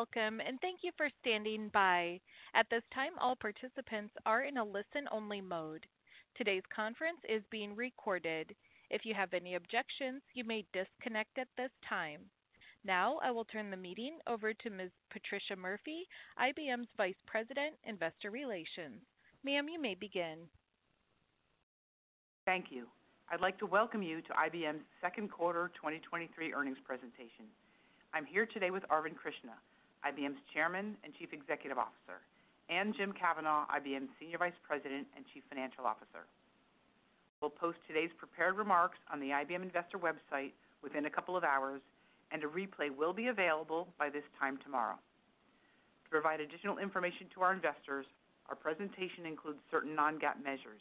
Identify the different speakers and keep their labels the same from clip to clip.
Speaker 1: Welcome, and thank you for standing by. At this time, all participants are in a listen-only mode. Today's conference is being recorded. If you have any objections, you may disconnect at this time. I will turn the meeting over to Ms. Patricia Murphy, IBM's Vice President, Investor Relations. Ma'am, you may begin.
Speaker 2: Thank you. I'd like to welcome you to IBM's Second Quarter 2023 Earnings Presentation. I'm here today with Arvind Krishna, IBM's Chairman and Chief Executive Officer, and Jim Kavanaugh, IBM's Senior Vice President and Chief Financial Officer. We'll post today's prepared remarks on the IBM Investor website within a couple of hours, and a replay will be available by this time tomorrow. To provide additional information to our investors, our presentation includes certain non-GAAP measures.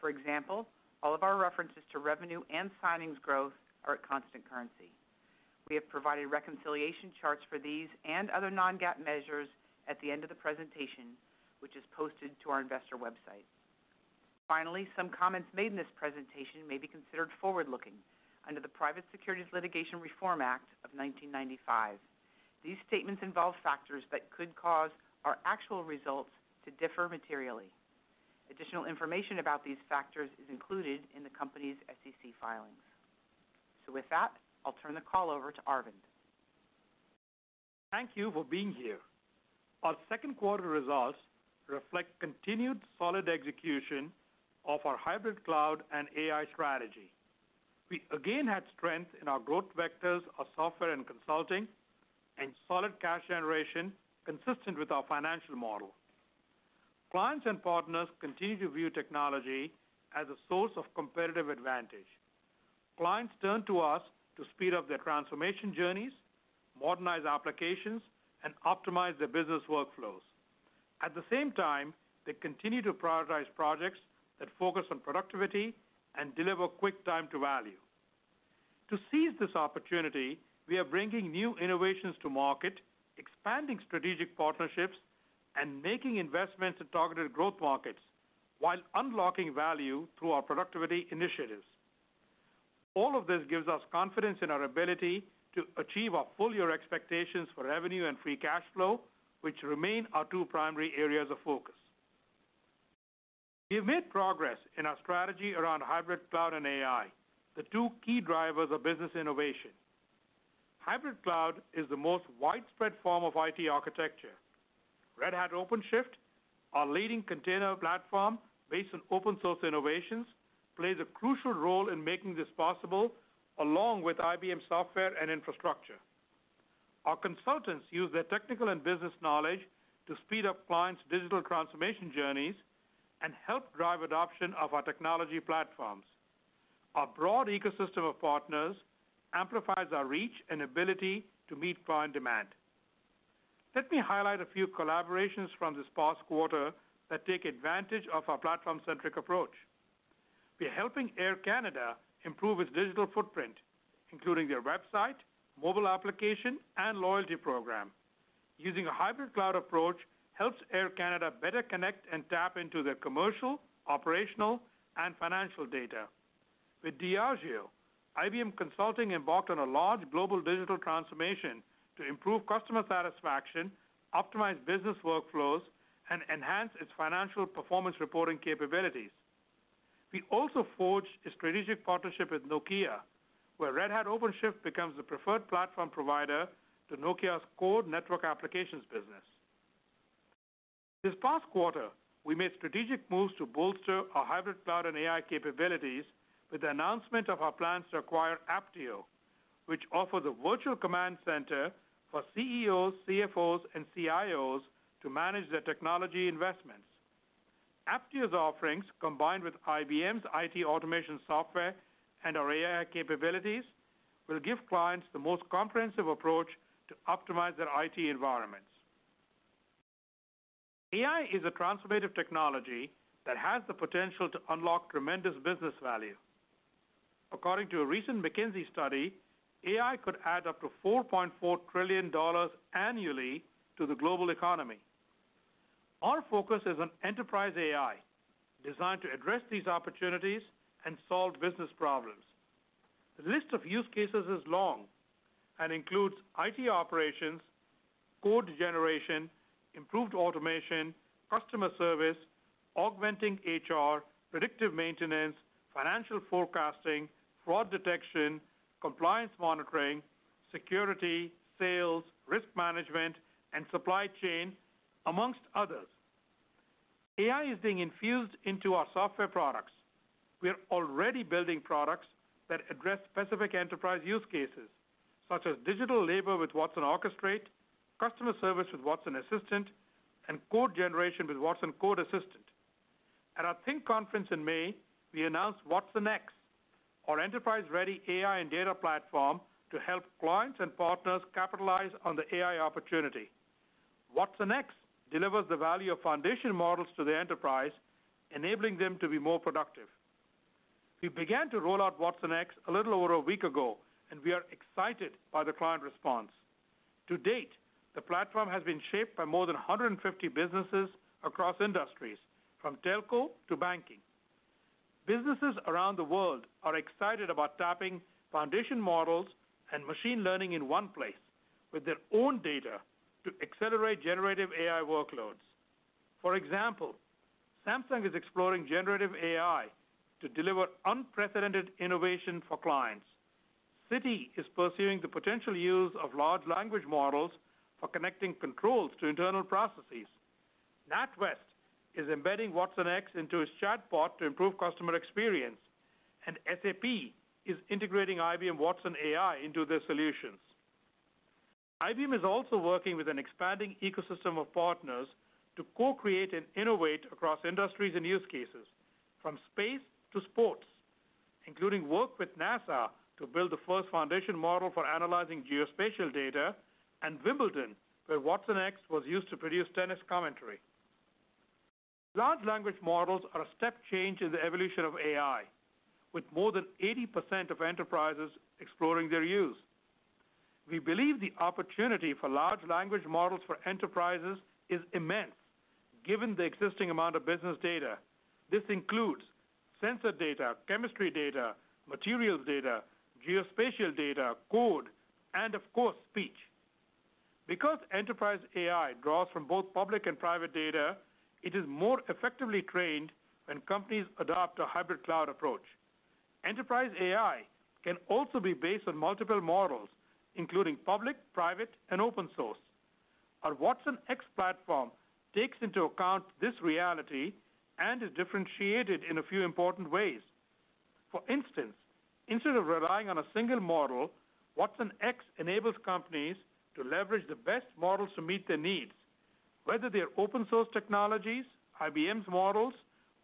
Speaker 2: For example, all of our references to revenue and signings growth are at constant currency. We have provided reconciliation charts for these and other non-GAAP measures at the end of the presentation, which is posted to our investor website. Finally, some comments made in this presentation may be considered forward-looking under the Private Securities Litigation Reform Act of 1995. These statements involve factors that could cause our actual results to differ materially. Additional information about these factors is included in the company's SEC filings. With that, I'll turn the call over to Arvind.
Speaker 3: Thank you for being here. Our second quarter results reflect continued solid execution of our hybrid cloud and AI strategy. We again had strength in our growth vectors of software and consulting, and solid cash generation consistent with our financial model. Clients and partners continue to view technology as a source of competitive advantage. Clients turn to us to speed up their transformation journeys, modernize applications, and optimize their business workflows. At the same time, they continue to prioritize projects that focus on productivity and deliver quick time to value. To seize this opportunity, we are bringing new innovations to market, expanding strategic partnerships, and making investments in targeted growth markets while unlocking value through our productivity initiatives. All of this gives us confidence in our ability to achieve our full year expectations for revenue and free cash flow, which remain our two primary areas of focus. We've made progress in our strategy around hybrid cloud and AI, the two key drivers of business innovation. Hybrid cloud is the most widespread form of IT architecture. Red Hat OpenShift, our leading container platform based on open source innovations, plays a crucial role in making this possible, along with IBM software and infrastructure. Our consultants use their technical and business knowledge to speed up clients' digital transformation journeys and help drive adoption of our technology platforms. Our broad ecosystem of partners amplifies our reach and ability to meet client demand. Let me highlight a few collaborations from this past quarter that take advantage of our platform-centric approach. We are helping Air Canada improve its digital footprint, including their website, mobile application, and loyalty program. Using a hybrid cloud approach helps Air Canada better connect and tap into their commercial, operational, and financial data. With Diageo, IBM Consulting embarked on a large global digital transformation to improve customer satisfaction, optimize business workflows, and enhance its financial performance reporting capabilities. We also forged a strategic partnership with Nokia, where Red Hat OpenShift becomes the preferred platform provider to Nokia's core network applications business. This past quarter, we made strategic moves to bolster our hybrid cloud and AI capabilities with the announcement of our plans to acquire Apptio, which offers a virtual command center for CEOs, CFOs, and CIOs to manage their technology investments. Apptio's offerings, combined with IBM's IT automation software and our AI capabilities, will give clients the most comprehensive approach to optimize their IT environments. AI is a transformative technology that has the potential to unlock tremendous business value. According to a recent McKinsey study, AI could add up to $4.4 trillion annually to the global economy. Our focus is on enterprise AI, designed to address these opportunities and solve business problems. The list of use cases is long and includes IT operations, code generation, improved automation, customer service, augmenting HR, predictive maintenance, financial forecasting, fraud detection, compliance monitoring, security, sales, risk management, and supply chain, amongst others. AI is being infused into our software products. We are already building products that address specific enterprise use cases, such as digital labor with watsonx Orchestrate, customer service with watsonx Assistant, and code generation with watsonx Code Assistant. At our Think conference in May, we announced watsonx, our enterprise-ready AI and data platform, to help clients and partners capitalize on the AI opportunity. watsonx delivers the value of foundation models to the enterprise, enabling them to be more productive. We began to roll out watsonx a little over a week ago, and we are excited by the client response. To date, the platform has been shaped by more than 150 businesses across industries, from telco to banking. Businesses around the world are excited about tapping foundation models and machine learning in one place with their own data to accelerate generative AI workloads. For example, Samsung is exploring generative AI to deliver unprecedented innovation for clients. Citi is pursuing the potential use of large language models for connecting controls to internal processes. NatWest is embedding watsonx into its chatbot to improve customer experience, and SAP is integrating IBM Watson AI into their solutions. IBM is also working with an expanding ecosystem of partners to co-create and innovate across industries and use cases, from space to sports, including work with NASA to build the first foundation model for analyzing geospatial data, and Wimbledon, where watsonx was used to produce tennis commentary. Large language models are a step change in the evolution of AI, with more than 80% of enterprises exploring their use. We believe the opportunity for large language models for enterprises is immense, given the existing amount of business data. This includes sensor data, chemistry data, materials data, geospatial data, code, and of course, speech. Because enterprise AI draws from both public and private data, it is more effectively trained when companies adopt a hybrid cloud approach. Enterprise AI can also be based on multiple models, including public, private, and open source. Our watsonx platform takes into account this reality and is differentiated in a few important ways. For instance, instead of relying on a single model, watsonx enables companies to leverage the best models to meet their needs, whether they are open source technologies, IBM's models,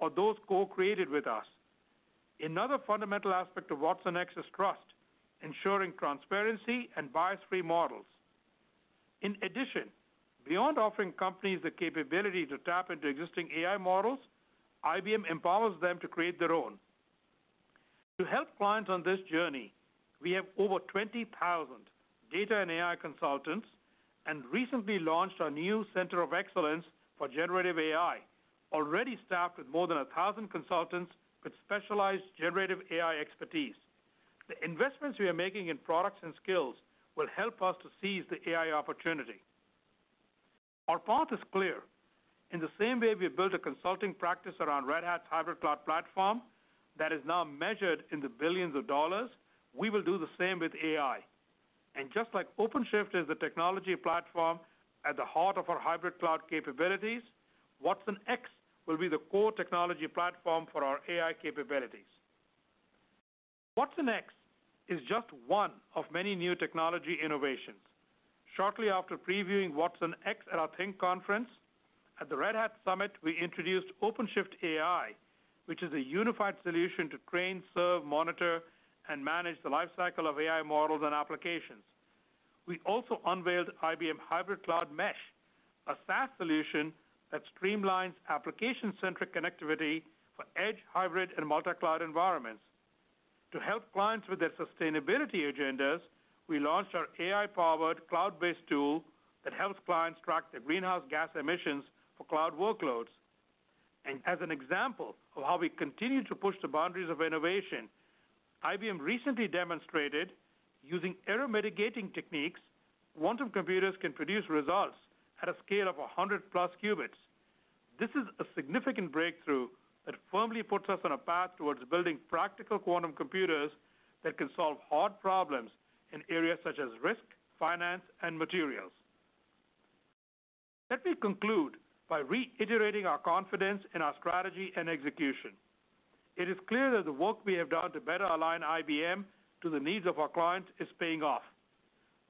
Speaker 3: or those co-created with us. Another fundamental aspect of watsonx is trust, ensuring transparency and bias-free models. In addition, beyond offering companies the capability to tap into existing AI models, IBM empowers them to create their own. To help clients on this journey, we have over 20,000 data and AI consultants and recently launched our new Center of Excellence for Generative AI, already staffed with more than 1,000 consultants with specialized generative AI expertise. The investments we are making in products and skills will help us to seize the AI opportunity. Our path is clear. In the same way we built a consulting practice around Red Hat's hybrid cloud platform that is now measured in the billions of dollars, we will do the same with AI. Just like OpenShift is the technology platform at the heart of our hybrid cloud capabilities, watsonx will be the core technology platform for our AI capabilities. Watsonx is just one of many new technology innovations. Shortly after previewing watsonx at our Think Conference, at the Red Hat Summit, we introduced OpenShift AI, which is a unified solution to train, serve, monitor, and manage the lifecycle of AI models and applications. We also unveiled IBM Hybrid Cloud Mesh, a SaaS solution that streamlines application-centric connectivity for edge, hybrid, and multi-cloud environments. To help clients with their sustainability agendas, we launched our AI-powered, cloud-based tool that helps clients track their greenhouse gas emissions for cloud workloads. As an example of how we continue to push the boundaries of innovation, IBM recently demonstrated, using error mitigating techniques, quantum computers can produce results at a scale of 100+ qubits. This is a significant breakthrough that firmly puts us on a path towards building practical quantum computers that can solve hard problems in areas such as risk, finance, and materials. Let me conclude by reiterating our confidence in our strategy and execution. It is clear that the work we have done to better align IBM to the needs of our clients is paying off.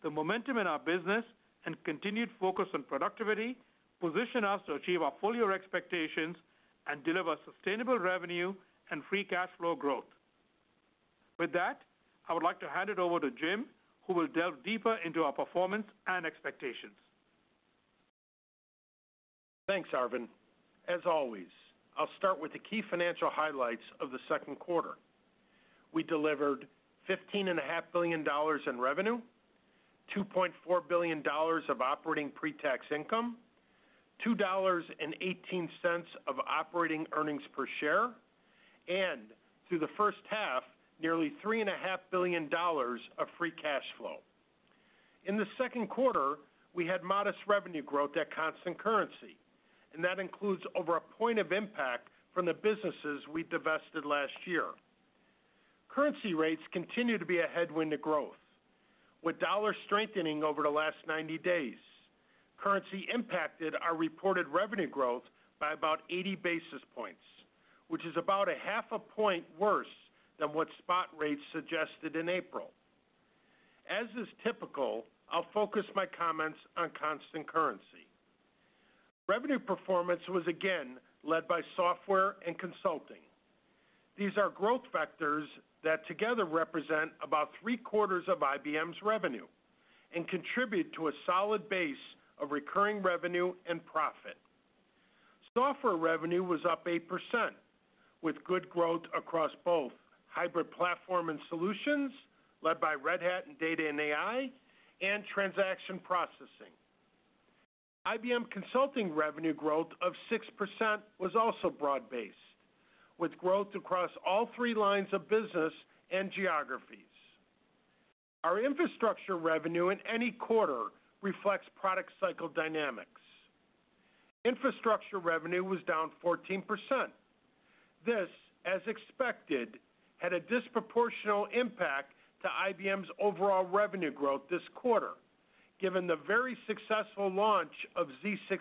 Speaker 3: The momentum in our business and continued focus on productivity position us to achieve our full year expectations and deliver sustainable revenue and free cash flow growth. With that, I would like to hand it over to Jim, who will delve deeper into our performance and expectations.
Speaker 4: Thanks, Arvind. As always, I'll start with the key financial highlights of the second quarter. We delivered $15.5 billion in revenue, $2.4 billion of operating pre-tax income, $2.18 of operating earnings per share, and through the first, nearly $3.5 billion of free cash flow. In the second quarter, we had modest revenue growth at constant currency, and that includes over a point of impact from the businesses we divested last year. Currency rates continue to be a headwind to growth, with dollar strengthening over the last 90 days. Currency impacted our reported revenue growth by about 80 basis points, which is about a 0.5 point worse than what spot rates suggested in April. As is typical, I'll focus my comments on constant currency. Revenue performance was again led by software and consulting. These are growth vectors that together represent about three-quarters of IBM's revenue and contribute to a solid base of recurring revenue and profit. Software revenue was up 8%, with good growth across both hybrid platform and solutions, led by Red Hat and Data and AI, and transaction processing. IBM Consulting revenue growth of 6% was also broad-based, with growth across all three lines of business and geographies. Our infrastructure revenue in any quarter reflects product cycle dynamics. Infrastructure revenue was down 14%. This, as expected, had a disproportional impact to IBM's overall revenue growth this quarter, given the very successful launch of z16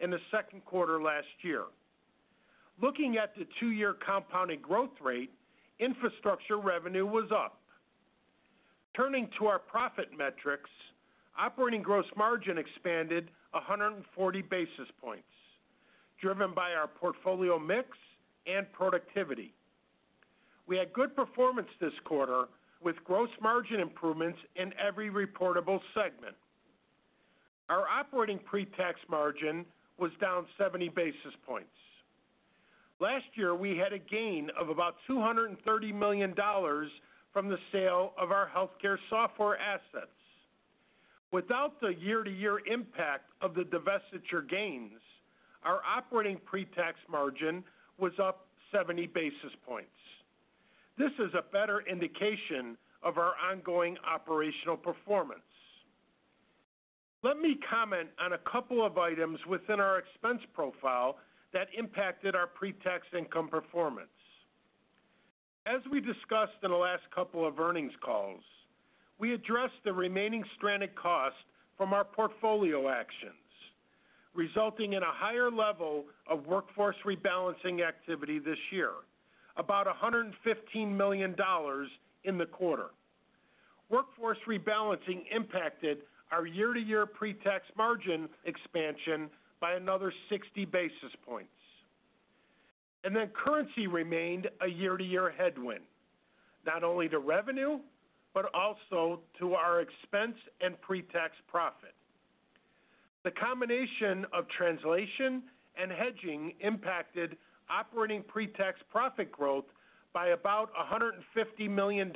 Speaker 4: in the second quarter last year. Looking at the two-year compounded growth rate, infrastructure revenue was up. Turning to our profit metrics, operating gross margin expanded 140 basis points, driven by our portfolio mix and productivity. We had good performance this quarter with gross margin improvements in every reportable segment. Our operating pre-tax margin was down 70 basis points. Last year, we had a gain of about $230 million from the sale of our healthcare software assets. Without the year-to-year impact of the divestiture gains, our operating pre-tax margin was up 70 basis points. This is a better indication of our ongoing operational performance. Let me comment on a couple of items within our expense profile that impacted our pre-tax income performance. As we discussed in the last couple of earnings calls, we addressed the remaining stranded costs from our portfolio actions, resulting in a higher level of workforce rebalancing activity this year, about $115 million in the quarter. Workforce rebalancing impacted our year-to-year pre-tax margin expansion by another 60 basis points. Currency remained a year-to-year headwind, not only to revenue, but also to our expense and pre-tax profit. The combination of translation and hedging impacted operating pre-tax profit growth by about $150 million,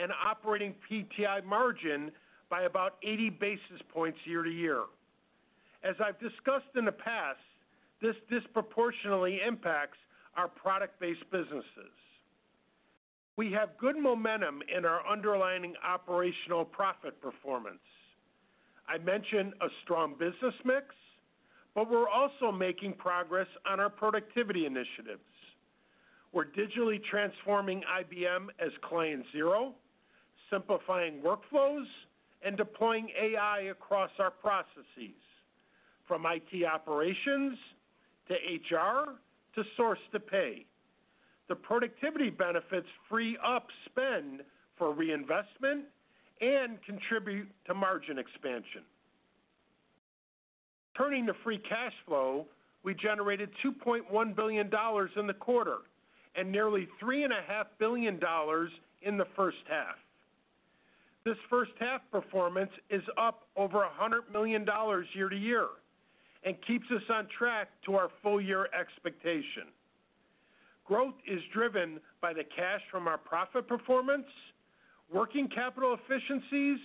Speaker 4: and operating PTI margin by about 80 basis points year-to-year. As I've discussed in the past, this disproportionately impacts our product-based businesses. We have good momentum in our underlying operational profit performance. I mentioned a strong business mix, but we're also making progress on our productivity initiatives. We're digitally transforming IBM as client zero, simplifying workflows and deploying AI across our processes, from IT operations to HR, to source to pay. The productivity benefits free up spend for reinvestment and contribute to margin expansion. Turning to free cash flow, we generated $2.1 billion in the quarter and nearly $3.5 billion in the first half. This first half performance is up over $100 million year-to-year and keeps us on track to our full year expectation. Growth is driven by the cash from our profit performance, working capital efficiencies,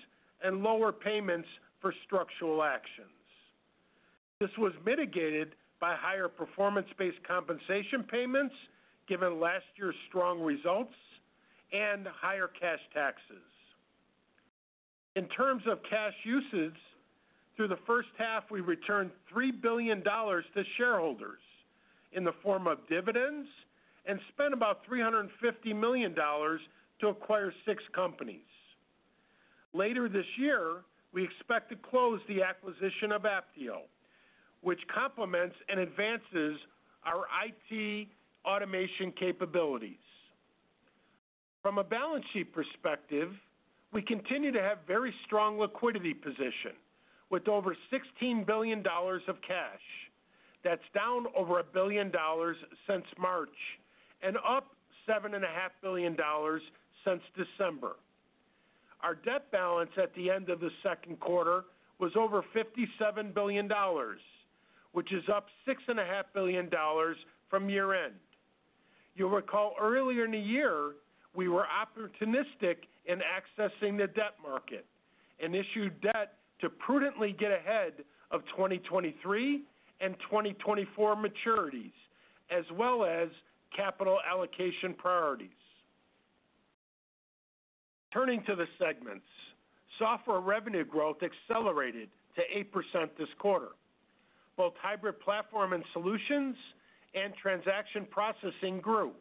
Speaker 4: and lower payments for structural actions. This was mitigated by higher performance-based compensation payments, given last year's strong results and higher cash taxes. In terms of cash usage, through the first half, we returned $3 billion to shareholders in the form of dividends and spent about $350 million to acquire six companies. Later this year, we expect to close the acquisition of Apptio, which complements and advances our IT automation capabilities. From a balance sheet perspective, we continue to have very strong liquidity position with over $16 billion of cash. That's down over a billion dollars since March and up $7.5 billion since December. Our debt balance at the end of the second quarter was over $57 billion, which is up $6.5 billion from year-end. You'll recall earlier in the year, we were opportunistic in accessing the debt market and issued debt to prudently get ahead of 2023 and 2024 maturities, as well as capital allocation priorities. Turning to the segments, software revenue growth accelerated to 8% this quarter. Both hybrid platform and solutions and transaction processing grew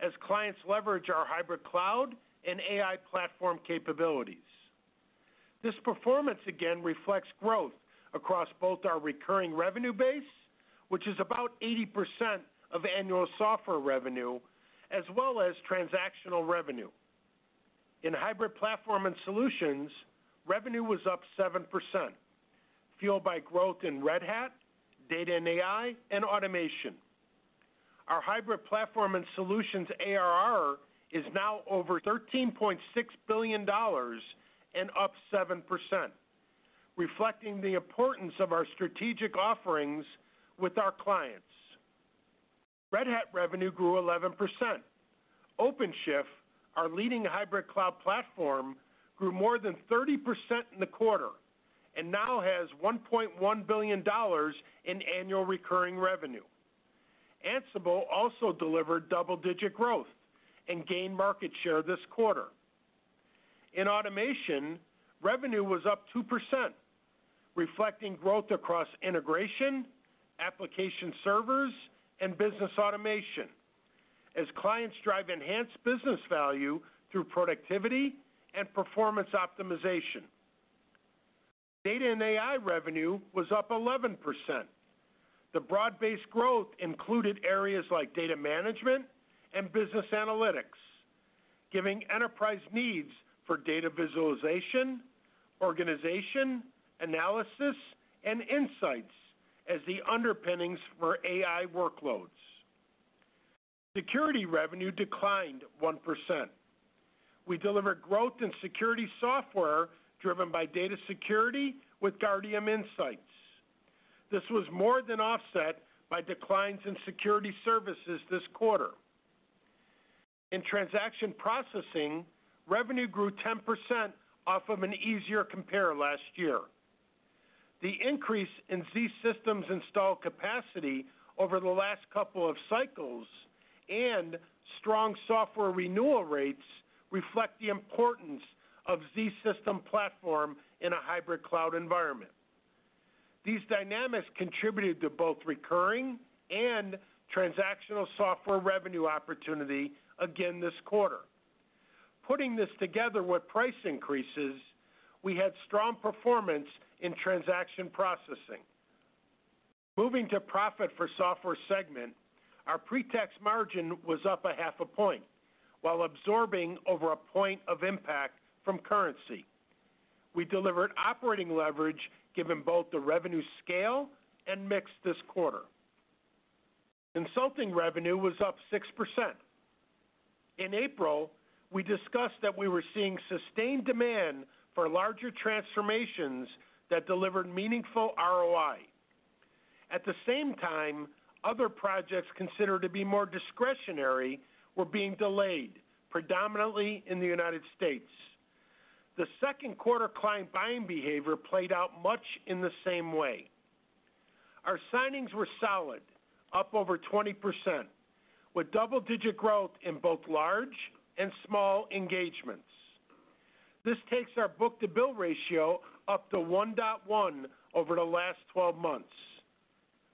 Speaker 4: as clients leverage our hybrid cloud and AI platform capabilities. This performance, again, reflects growth across both our recurring revenue base, which is about 80% of annual software revenue, as well as transactional revenue. In hybrid platform and solutions, revenue was up 7%, fueled by growth in Red Hat, data and AI, and automation. Our hybrid platform and solutions ARR is now over $13.6 billion and up 7%, reflecting the importance of our strategic offerings with our clients. Red Hat revenue grew 11%. OpenShift, our leading hybrid cloud platform, grew more than 30% in the quarter, and now has $1.1 billion in annual recurring revenue. Ansible also delivered double-digit growth and gained market share this quarter. In automation, revenue was up 2%, reflecting growth across integration, application servers, and business automation, as clients drive enhanced business value through productivity and performance optimization. Data and AI revenue was up 11%. The broad-based growth included areas like data management and business analytics, giving enterprise needs for data visualization, organization, analysis, and insights as the underpinnings for AI workloads. Security revenue declined 1%. We delivered growth in security software driven by data security with Guardium Insights. This was more than offset by declines in security services this quarter. In transaction processing, revenue grew 10% off of an easier compare last year. The increase in zSystems installed capacity over the last couple of cycles and strong software renewal rates reflect the importance of z System platform in a hybrid cloud environment. These dynamics contributed to both recurring and transactional software revenue opportunity again this quarter. Putting this together with price increases, we had strong performance in transaction processing. Moving to profit for software segment, our pre-tax margin was up 0.5 point, while absorbing over a point of impact from currency. We delivered operating leverage given both the revenue scale and mix this quarter. Consulting revenue was up 6%. In April, we discussed that we were seeing sustained demand for larger transformations that delivered meaningful ROI. At the same time, other projects considered to be more discretionary were being delayed, predominantly in the United States. The second quarter client buying behavior played out much in the same way. Our signings were solid, up over 20%, with double-digit growth in both large and small engagements. This takes our book-to-bill ratio up to 1.1x over the last 12 months.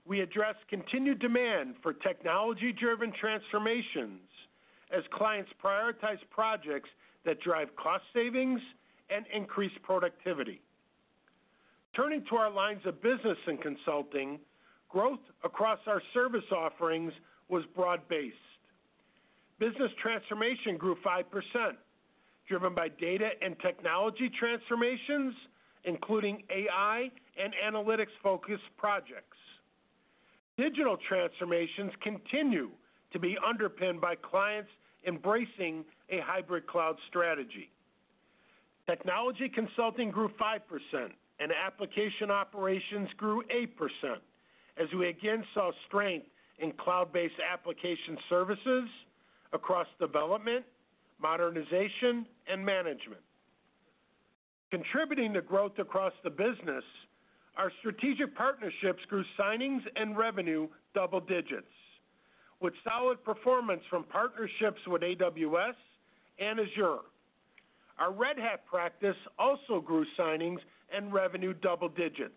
Speaker 4: We addressed continued demand for technology-driven transformations as clients prioritize projects that drive cost savings and increase productivity. Turning to our lines of business and consulting, growth across our service offerings was broad-based. Business transformation grew 5%, driven by data and technology transformations, including AI and analytics-focused projects. Digital transformations continue to be underpinned by clients embracing a hybrid cloud strategy. Technology consulting grew 5%, and application operations grew 8%, as we again saw strength in cloud-based application services across development, modernization, and management. Contributing to growth across the business, our strategic partnerships grew signings and revenue double digits, with solid performance from partnerships with AWS and Azure. Our Red Hat practice also grew signings and revenue double digits.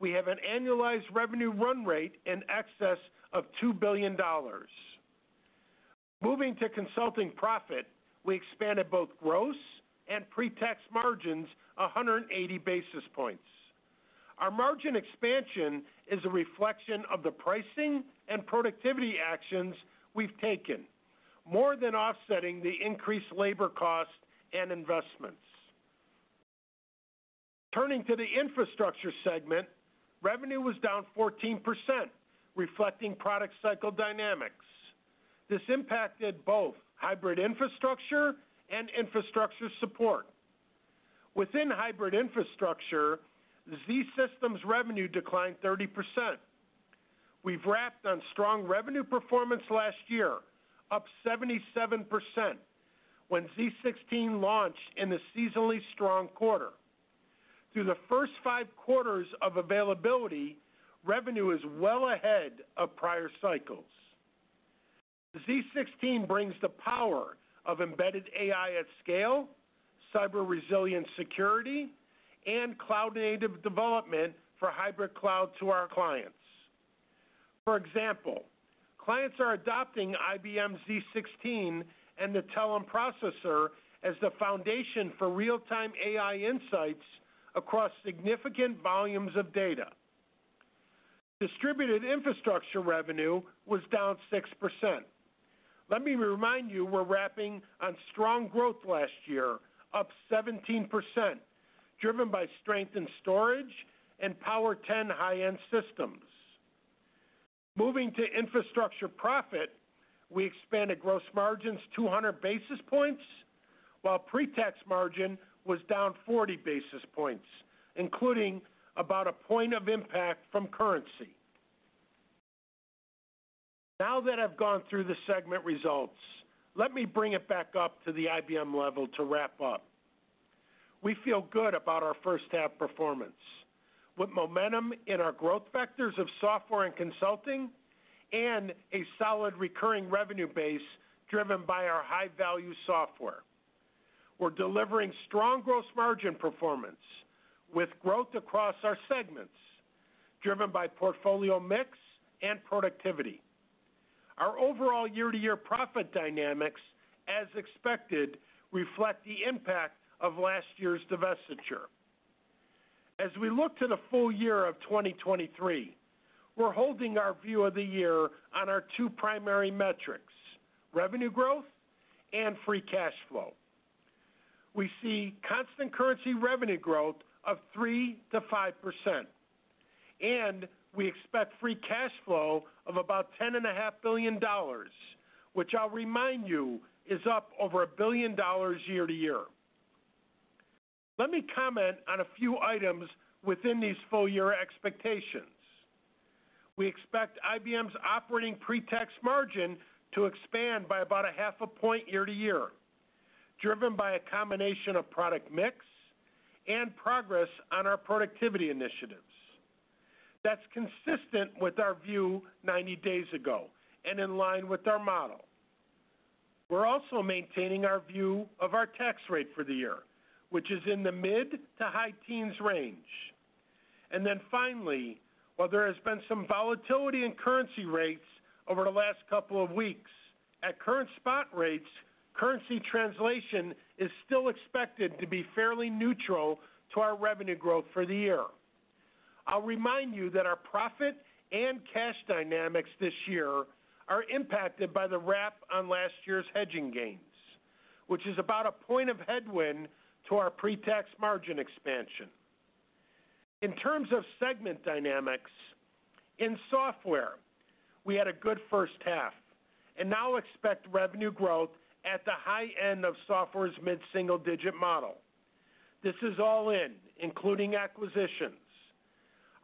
Speaker 4: We have an annualized revenue run rate in excess of $2 billion. Moving to consulting profit, we expanded both gross and pre-tax margins, 180 basis points. Our margin expansion is a reflection of the pricing and productivity actions we've taken, more than offsetting the increased labor cost and investments. Turning to the infrastructure segment, revenue was down 14%, reflecting product cycle dynamics. This impacted both hybrid infrastructure and infrastructure support. Within hybrid infrastructure, Z Systems revenue declined 30%. We've wrapped on strong revenue performance last year, up 77%, when z16 launched in a seasonally strong quarter. Through the first five quarters of availability, revenue is well ahead of prior cycles. z16 brings the power of embedded AI at scale, cyber resilient security, and cloud-native development for hybrid cloud to our clients. For example, clients are adopting IBM z16 and the Telum processor as the foundation for real-time AI insights across significant volumes of data. Distributed infrastructure revenue was down 6%. Let me remind you, we're wrapping on strong growth last year, up 17%, driven by strength in storage and Power10 high-end systems. Moving to infrastructure profit, we expanded gross margins 200 basis points. while pre-tax margin was down 40 basis points, including about a point of impact from currency. That I've gone through the segment results, let me bring it back up to the IBM level to wrap up. We feel good about our first half performance, with momentum in our growth vectors of software and consulting and a solid recurring revenue base driven by our high-value software. We're delivering strong gross margin performance with growth across our segments, driven by portfolio mix and productivity. Our overall year-to-year profit dynamics, as expected, reflect the impact of last year's divestiture. As we look to the full year of 2023, we're holding our view of the year on our two primary metrics, revenue growth and free cash flow. We see constant currency revenue growth of 3%-5%, we expect free cash flow of about $10.5 billion, which I'll remind you, is up over a billion dollars year-to-year. Let me comment on a few items within these full-year expectations. We expect IBM's operating pre-tax margin to expand by about 0.5 point year-to-year, driven by a combination of product mix and progress on our productivity initiatives. That's consistent with our view 90 days ago and in line with our model. We're also maintaining our view of our tax rate for the year, which is in the mid to high teens range. Finally, while there has been some volatility in currency rates over the last couple of weeks, at current spot rates, currency translation is still expected to be fairly neutral to our revenue growth for the year. I'll remind you that our profit and cash dynamics this year are impacted by the wrap on last year's hedging gains, which is about a point of headwind to our pre-tax margin expansion. In terms of segment dynamics, in software, we had a good first half and now expect revenue growth at the high end of software's mid-single-digit model. This is all in, including acquisitions.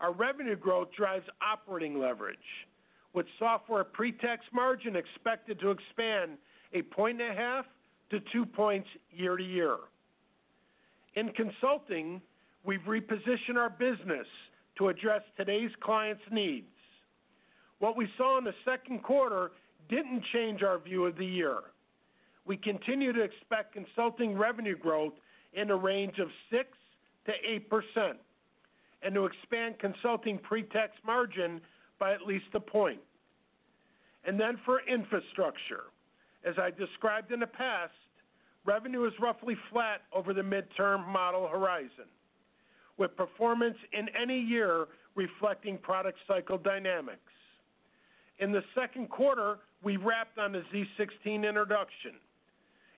Speaker 4: Our revenue growth drives operating leverage, with software pre-tax margin expected to expand 1.5 points-2 points year-to-year. In Consulting, we've repositioned our business to address today's clients' needs. What we saw in the second quarter didn't change our view of the year. We continue to expect consulting revenue growth in a range of 6%-8% and to expand consulting pre-tax margin by at least a point. For infrastructure, as I described in the past, revenue is roughly flat over the midterm model horizon, with performance in any year reflecting product cycle dynamics. In the second quarter, we wrapped on the z16 introduction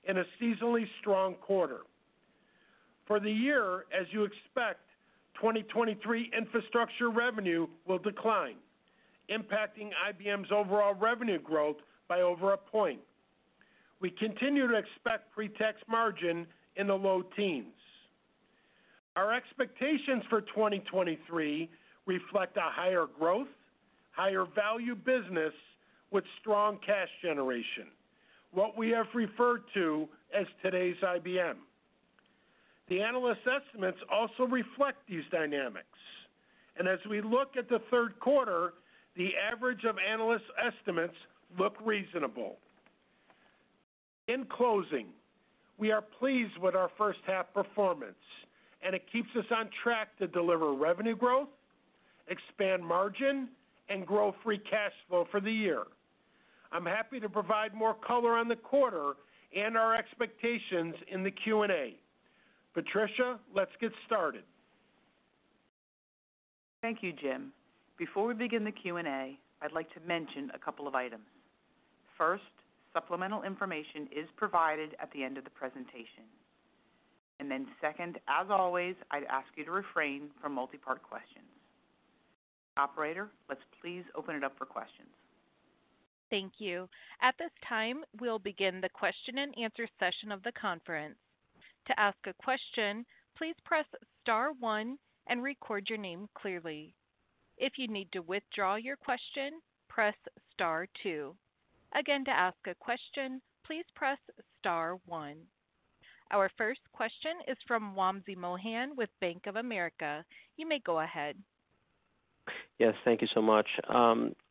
Speaker 4: in a seasonally strong quarter. For the year, as you expect, 2023 infrastructure revenue will decline, impacting IBM's overall revenue growth by over a point. We continue to expect pre-tax margin in the low teens. Our expectations for 2023 reflect a higher growth, higher value business with strong cash generation, what we have referred to as today's IBM. The analyst estimates also reflect these dynamics. As we look at the third quarter, the average of analyst estimates look reasonable. In closing, we are pleased with our first half performance. It keeps us on track to deliver revenue growth, expand margin, and grow free cash flow for the year. I'm happy to provide more color on the quarter and our expectations in the Q and A. Patricia, let's get started.
Speaker 2: Thank you, Jim. Before we begin the Q and A, I'd like to mention a couple of items. First, supplemental information is provided at the end of the presentation. Second, as always, I'd ask you to refrain from multi-part questions. Operator, let's please open it up for questions.
Speaker 1: Thank you. At this time, we'll begin the question-and-answer session of the conference. To ask a question, please press star one and record your name clearly. If you need to withdraw your question, press star two. Again, to ask a question, please press star one. Our first question is from Wamsi Mohan with Bank of America. You may go ahead.
Speaker 5: Yes, thank you so much.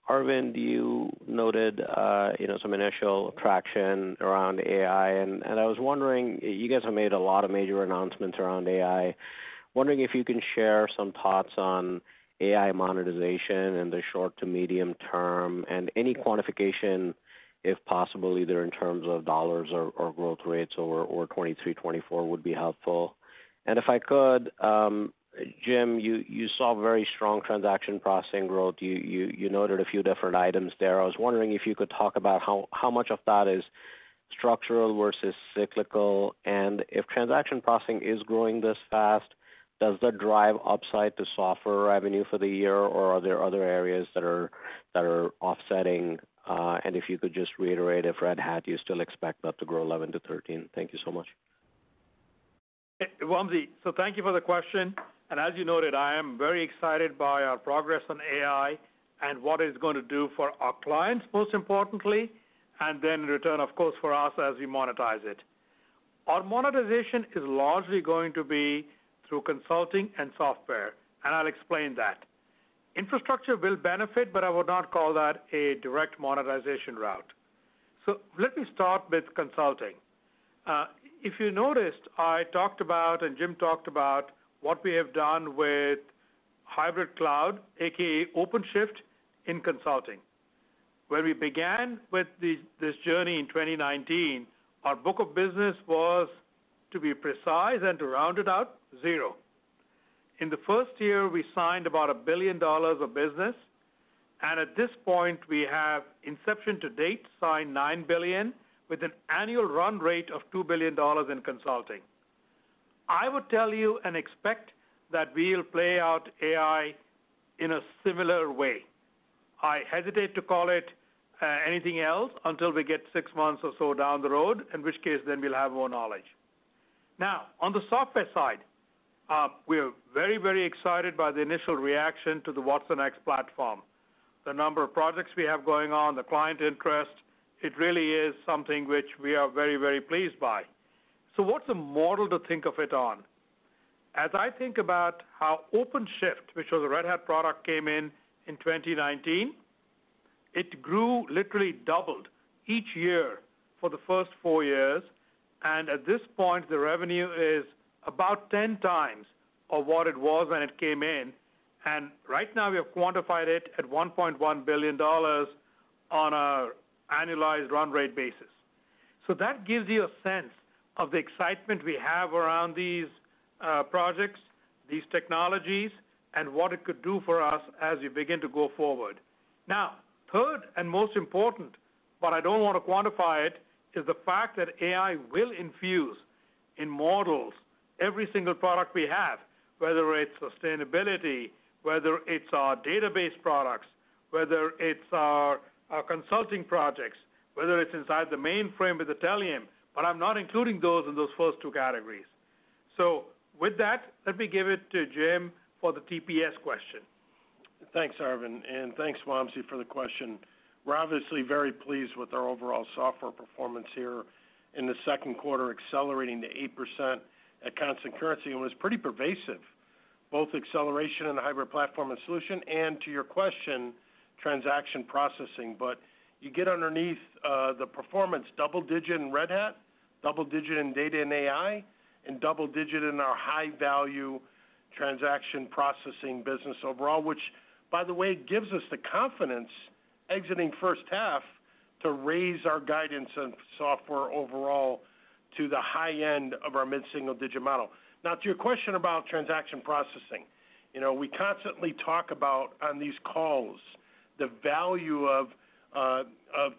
Speaker 5: Arvind, you noted, you know, some initial traction around AI, and I was wondering, you guys have made a lot of major announcements around AI. Wondering if you can share some thoughts on AI monetization in the short to medium term, and any quantification, if possible, either in terms of dollars or growth rates over 2023, 2024, would be helpful? If I could, Jim, you saw very strong transaction processing growth. You noted a few different items there. I was wondering if you could talk about how much of that is structural versus cyclical, and if transaction processing is growing this fast, does that drive upside to software revenue for the year, or are there other areas that are offsetting? If you could just reiterate, if Red Hat, you still expect that to grow 11%-13%. Thank you so much.
Speaker 3: Hey, Wamsi, thank you for the question, and as you noted, I am very excited by our progress on AI and what it's going to do for our clients, most importantly, and then in return, of course, for us as we monetize it. Our monetization is largely going to be through consulting and software, and I'll explain that. Infrastructure will benefit, but I would not call that a direct monetization route. Let me start with consulting. If you noticed, I talked about, and Jim talked about, what we have done with hybrid cloud, aka OpenShift, in consulting. Where we began with this journey in 2019, our book of business was, to be precise and to round it out, zero. In the first year, we signed about a billion dollars of business. At this point, we have, inception to date, signed $9 billion, with an annual run rate of $2 billion in consulting. I would tell you and expect that we'll play out AI in a similar way. I hesitate to call it anything else until we get six months or so down the road, in which case, then we'll have more knowledge. On the software side, we are very, very excited by the initial reaction to the watsonx platform. The number of projects we have going on, the client interest, it really is something which we are very, very pleased by. What's the model to think of it on? As I think about how OpenShift, which was a Red Hat product, came in in 2019, it grew, literally doubled each year for the first four years, and at this point, the revenue is about 10x of what it was when it came in. Right now, we have quantified it at $1.1 billion on an annualized run rate basis. That gives you a sense of the excitement we have around these projects, these technologies, and what it could do for us as we begin to go forward. Third and most important, but I don't want to quantify it, is the fact that AI will infuse in models, every single product we have, whether it's sustainability, whether it's our database products, whether it's our consulting projects, whether it's inside the mainframe with the Telum, but I'm not including those in those first two categories. With that, let me give it to Jim for the TPS question.
Speaker 4: Thanks, Arvind, and thanks, Wamsi, for the question. We're obviously very pleased with our overall software performance here in the second quarter, accelerating to 8% at constant currency. It was pretty pervasive, both acceleration in the hybrid platform and solution, and to your question, transaction processing. But you get underneath the performance, double digit in Red Hat, double digit in data and AI, and double digit in our high-value transaction processing business overall, which, by the way, gives us the confidence, exiting first half, to raise our guidance on software overall to the high end of our mid-single-digit model. Now, to your question about transaction processing, you know, we constantly talk about, on these calls, the value of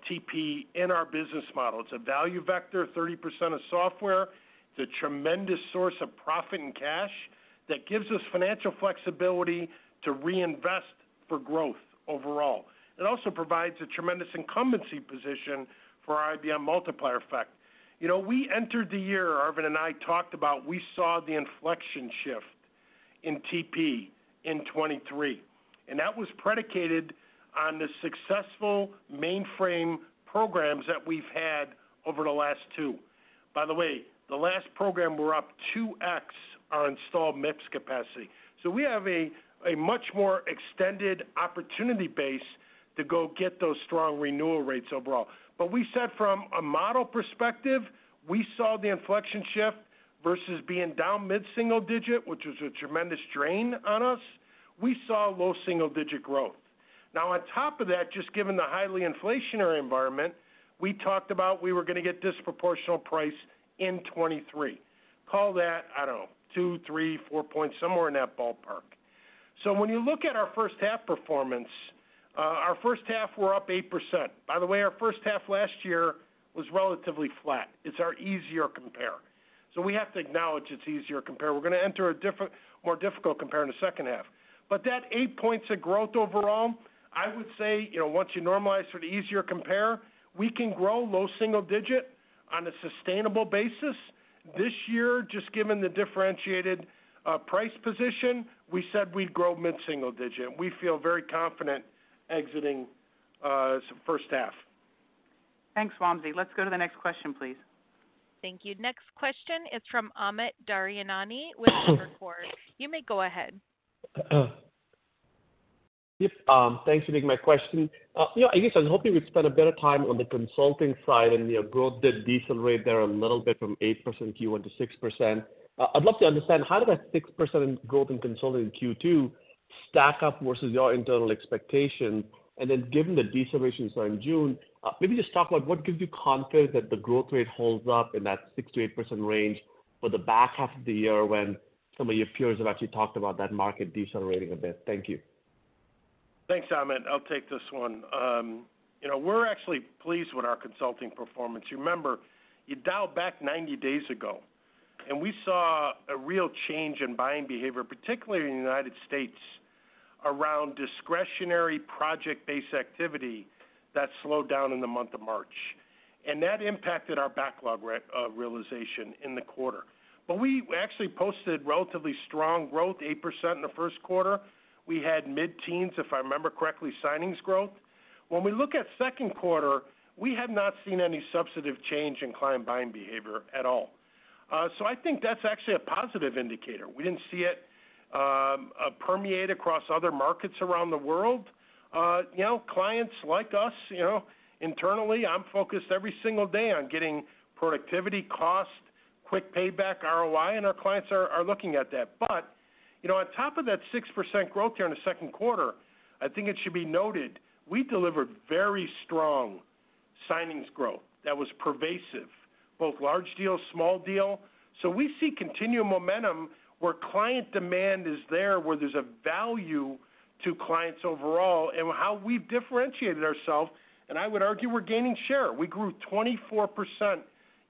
Speaker 4: TP in our business model. It's a value vector, 30% of software. It's a tremendous source of profit and cash that gives us financial flexibility to reinvest for growth overall. It also provides a tremendous incumbency position for our IBM multiplier effect. You know, we entered the year, Arvind and I talked about, we saw the inflection shift in TP in 2023. That was predicated on the successful mainframe programs that we've had over the last two. By the way, the last program, we're up 2x on installed MIPS capacity. We have a much more extended opportunity base to go get those strong renewal rates overall. We said from a model perspective, we saw the inflection shift versus being down mid-single digit, which was a tremendous drain on us. We saw low single-digit growth. On top of that, just given the highly inflationary environment, we talked about we were going to get disproportional price in 2023. Call that, I don't know, 2 points, 3 points, four points, somewhere in that ballpark. When you look at our first half performance, our first half, we're up 8%. By the way, our first half last year was relatively flat. It's our easier compare. We have to acknowledge it's easier compare. We're going to enter a different, more difficult compare in the second half. That eight points of growth overall, I would say, you know, once you normalize for the easier compare, we can grow low single digit on a sustainable basis. This year, just given the differentiated price position, we said we'd grow mid-single digit. We feel very confident exiting first half.
Speaker 2: Thanks, Wamsi. Let's go to the next question, please.
Speaker 1: Thank you. Next question is from Amit Daryanani with Evercore ISI. You may go ahead.
Speaker 6: Thanks for taking my question. You know, I guess I was hoping you'd spend a bit of time on the consulting side, and, you know, growth did decelerate there a little bit from 8% Q1 to 6%. I'd love to understand, how did that 6% growth in consulting in Q2 stack up versus your internal expectation? Given the deceleration in June, maybe just talk about what gives you confidence that the growth rate holds up in that 6%-8% range for the back half of the year when some of your peers have actually talked about that market decelerating a bit? Thank you.
Speaker 4: Thanks, Amit. I'll take this one. you know, we're actually pleased with our consulting performance. You remember, you dialed back 90 days ago, and we saw a real change in buying behavior, particularly in the United States, around discretionary project-based activity that slowed down in the month of March, and that impacted our backlog realization in the quarter. We actually posted relatively strong growth, 8% in the first quarter. We had mid-teens, if I remember correctly, signings growth. When we look at second quarter, we have not seen any substantive change in client buying behavior at all. I think that's actually a positive indicator. We didn't see it permeate across other markets around the world. You know, clients like us, you know, internally, I'm focused every single day on getting productivity, cost, quick payback, ROI, and our clients are looking at that. You know, on top of that 6% growth there in the second quarter, I think it should be noted, we delivered very strong signings growth that was pervasive, both large deals, small deal. We see continued momentum where client demand is there, where there's a value to clients overall, and how we've differentiated ourselves, and I would argue we're gaining share. We grew 24%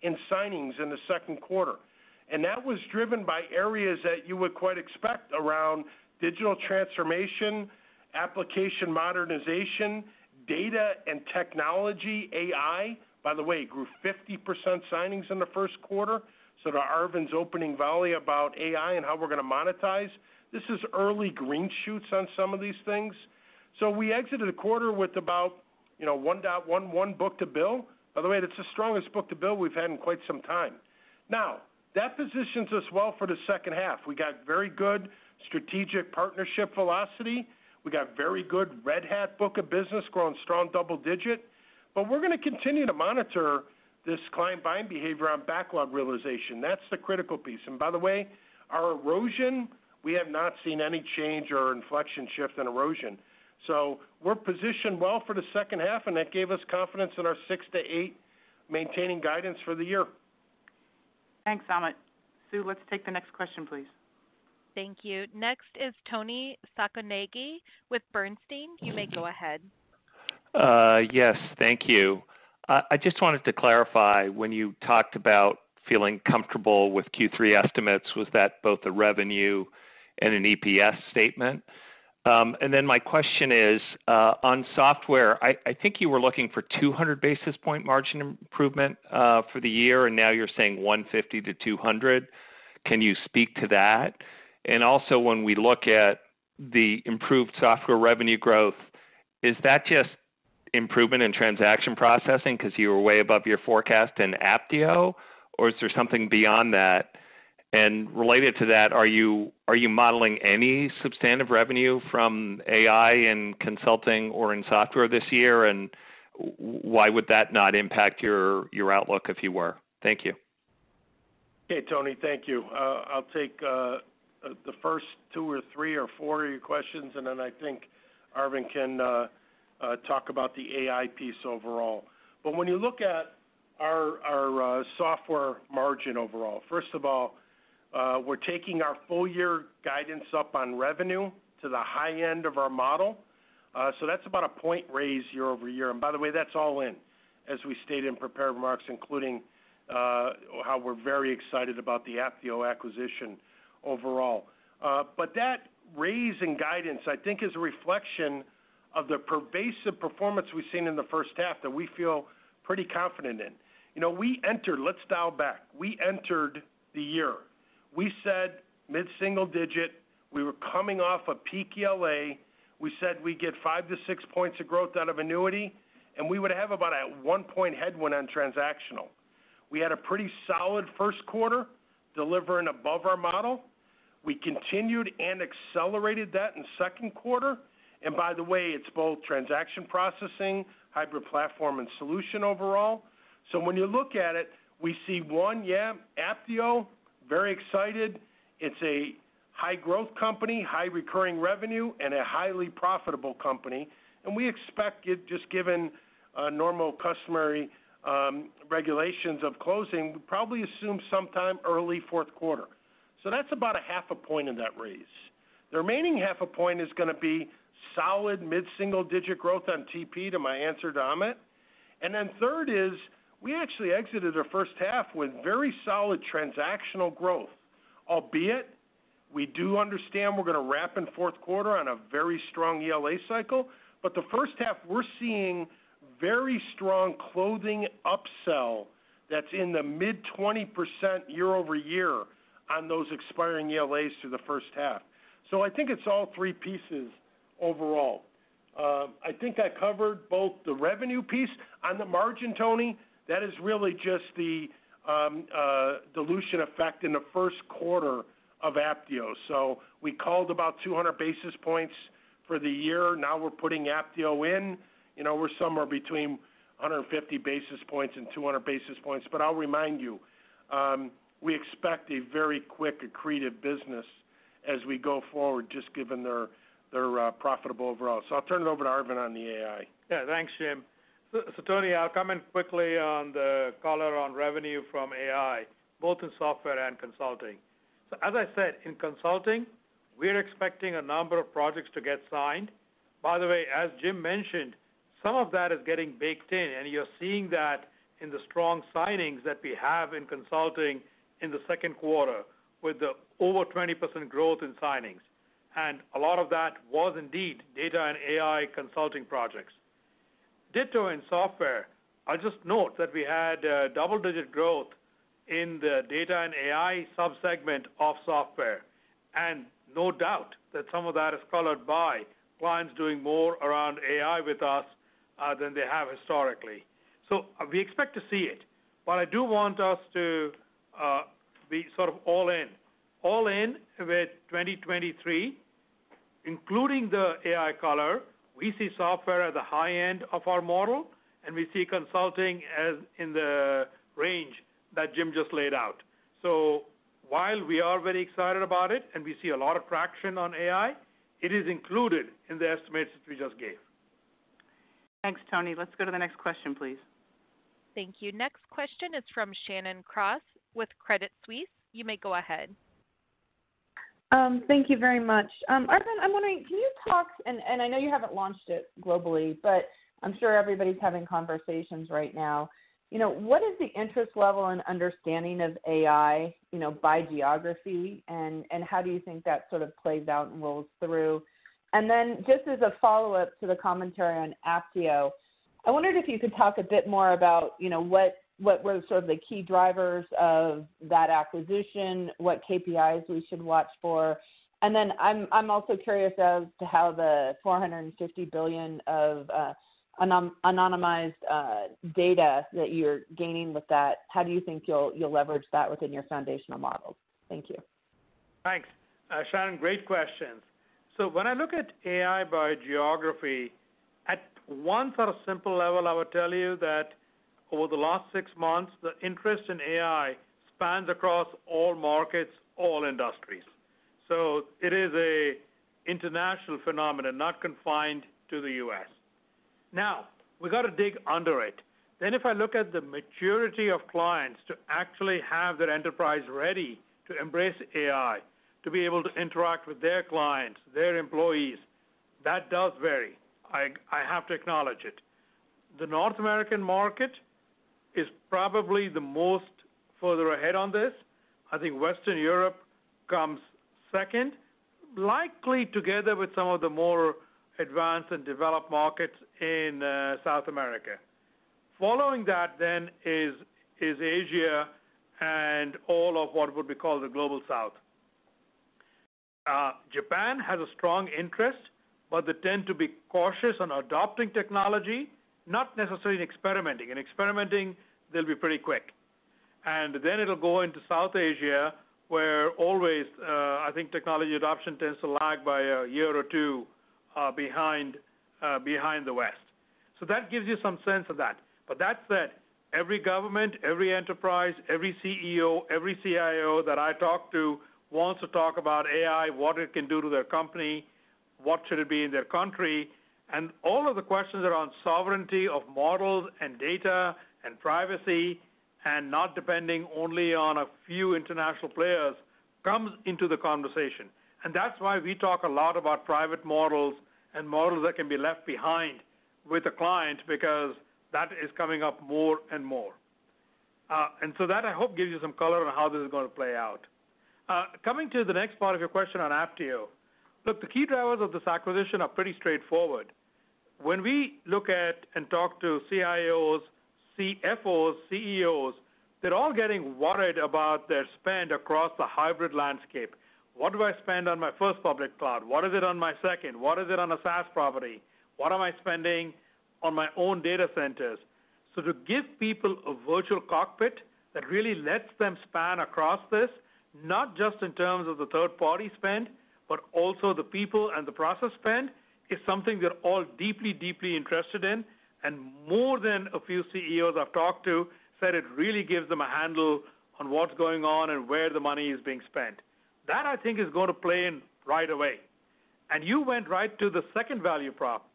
Speaker 4: in signings in the second quarter, and that was driven by areas that you would quite expect around digital transformation, application modernization, data and technology, AI. By the way, it grew 50% signings in the first quarter. To Arvind's opening volley about AI and how we're gonna monetize, this is early green shoots on some of these things. We exited the quarter with about, you know, 1.11x book-to-bill. By the way, that's the strongest book-to-bill we've had in quite some time. Now, that positions us well for the second half. We got very good strategic partnership velocity. We got very good Red Hat book of business, growing strong double digit. We're gonna continue to monitor this client buying behavior on backlog realization. That's the critical piece. By the way, our erosion, we have not seen any change or inflection shift in erosion. We're positioned well for the second half, and that gave us confidence in our six to eight maintaining guidance for the year.
Speaker 2: Thanks, Amit. Sue, let's take the next question, please.
Speaker 1: Thank you. Next is Toni Sacconaghi with Bernstein. You may go ahead.
Speaker 7: Yes, thank you. I just wanted to clarify, when you talked about feeling comfortable with Q3 estimates, was that both a revenue and an EPS statement? My question is, on software, I think you were looking for 200 basis point margin improvement for the year, and now you're saying 150-200. Can you speak to that? When we look at the improved software revenue growth, is that just improvement in transaction processing because you were way above your forecast in Apptio, or is there something beyond that? Related to that, are you modeling any substantive revenue from AI in consulting or in software this year? Why would that not impact your outlook if you were? Thank you.
Speaker 4: Okay, Toni, thank you. I'll take the first two or three or four of your questions, then I think Arvind can talk about the AI piece overall. When you look at our software margin overall, first of all, we're taking our full year guidance up on revenue to the high end of our model. That's about a point raise year-over-year. By the way, that's all in, as we stated in prepared remarks, including how we're very excited about the Apptio acquisition overall. That raise in guidance, I think, is a reflection of the pervasive performance we've seen in the first half that we feel pretty confident in. You know, Let's dial back. We entered the year. We said mid-single digit. We were coming off a peak ELA. We said we'd get 5 points-6 points of growth out of annuity, and we'd have about a 1-point headwind in transactional. We had a pretty solid first quarter, delivering above our model. We continued and accelerated that in second quarter. By the way, it's both transaction processing, hybrid platform, and solution overall. When you look at it, we see one, yeah, Apptio, very excited. It's a high-growth company, high recurring revenue, and a highly profitable company. We expect it, just given normal customary regulations of closing, we probably assume sometime early fourth quarter. That's about 0.5 point in that raise. The remaining 0.5 point is gonna be solid mid-single-digit growth on TP, to my answer to Amit. Third is, we actually exited our first half with very solid transactional growth, albeit we do understand we're gonna wrap in fourth quarter on a very strong ELA cycle. The first half, we're seeing very strong closing upsell that's in the mid-20% year-over-year on those expiring ELAs through the first half. I think it's all three pieces overall. I think I covered both the revenue piece. On the margin, Toni, that is really just the dilution effect in the first quarter of Apptio. We called about 200 basis points for the year. Now we're putting Apptio in. You know, we're somewhere between 150 basis points-200 basis points. I'll remind you, we expect a very quick accretive business as we go forward, just given their profitable overall. I'll turn it over to Arvind on the AI.
Speaker 3: Thanks, Jim. Toni, I'll come in quickly on the color on revenue from AI, both in software and consulting. As I said, in consulting, we're expecting a number of projects to get signed. By the way, as Jim mentioned, some of that is getting baked in, and you're seeing that in the strong signings that we have in consulting in the second quarter, with the over 20% growth in signings. A lot of that was indeed data and AI consulting projects. Ditto in software. I just note that we had double-digit growth in the data and AI subsegment of software, and no doubt that some of that is colored by clients doing more around AI with us than they have historically. We expect to see it, but I do want us to be sort of all in, all in with 2023, including the AI color. We see software at the high end of our model, and we see consulting as in the range that Jim just laid out. While we are very excited about it and we see a lot of traction on AI, it is included in the estimates that we just gave.
Speaker 2: Thanks, Toni. Let's go to the next question, please.
Speaker 1: Thank you. Next question is from Shannon Cross with Credit Suisse. You may go ahead.
Speaker 8: Thank you very much. Arvind, I'm wondering, can you talk, and I know you haven't launched it globally, but I'm sure everybody's having conversations right now. You know, what is the interest level and understanding of AI, you know, by geography, and how do you think that sort of plays out and rolls through? Then just as a follow-up to the commentary on Apptio, I wondered if you could talk a bit more about, you know, what were sort of the key drivers of that acquisition, what KPIs we should watch for? Then I'm also curious as to how the $450 billion of anonymized data that you're gaining with that, how do you think you'll leverage that within your foundation models? Thank you.
Speaker 3: Thanks, Shannon. Great questions. When I look at AI by geography, at one sort of simple level, I would tell you that over the last six months, the interest in AI spans across all markets, all industries. It is a international phenomenon, not confined to the U.S. We've got to dig under it. If I look at the maturity of clients to actually have their enterprise ready to embrace AI, to be able to interact with their clients, their employees, that does vary. I have to acknowledge it. The North American market is probably the most further ahead on this. I think Western Europe comes second, likely together with some of the more advanced and developed markets in South America. Following that then is Asia and all of what would be called the Global South. Japan has a strong interest, but they tend to be cautious on adopting technology, not necessarily in experimenting. In experimenting, they'll be pretty quick. Then it'll go into South Asia, where always, I think technology adoption tends to lag by a year or two behind the West. That gives you some sense of that. That said, every government, every enterprise, every CEO, every CIO that I talk to wants to talk about AI, what it can do to their company, what should it be in their country. All of the questions around sovereignty of models and data and privacy, and not depending only on a few international players, comes into the conversation. That's why we talk a lot about private models and models that can be left behind with a client, because that is coming up more and more. That, I hope, gives you some color on how this is going to play out. Coming to the next part of your question on Apptio. Look, the key drivers of this acquisition are pretty straightforward. When we look at and talk to CIOs, CFOs, CEOs, they're all getting worried about their spend across the hybrid landscape. What do I spend on my first public cloud? What is it on my second? What is it on a SaaS property? What am I spending on my own data centers? To give people a virtual cockpit that really lets them span across this, not just in terms of the third-party spend, but also the people and the process spend, is something they're all deeply interested in. More than a few CEOs I've talked to said it really gives them a handle on what's going on and where the money is being spent. That, I think, is going to play in right away. You went right to the second value prop.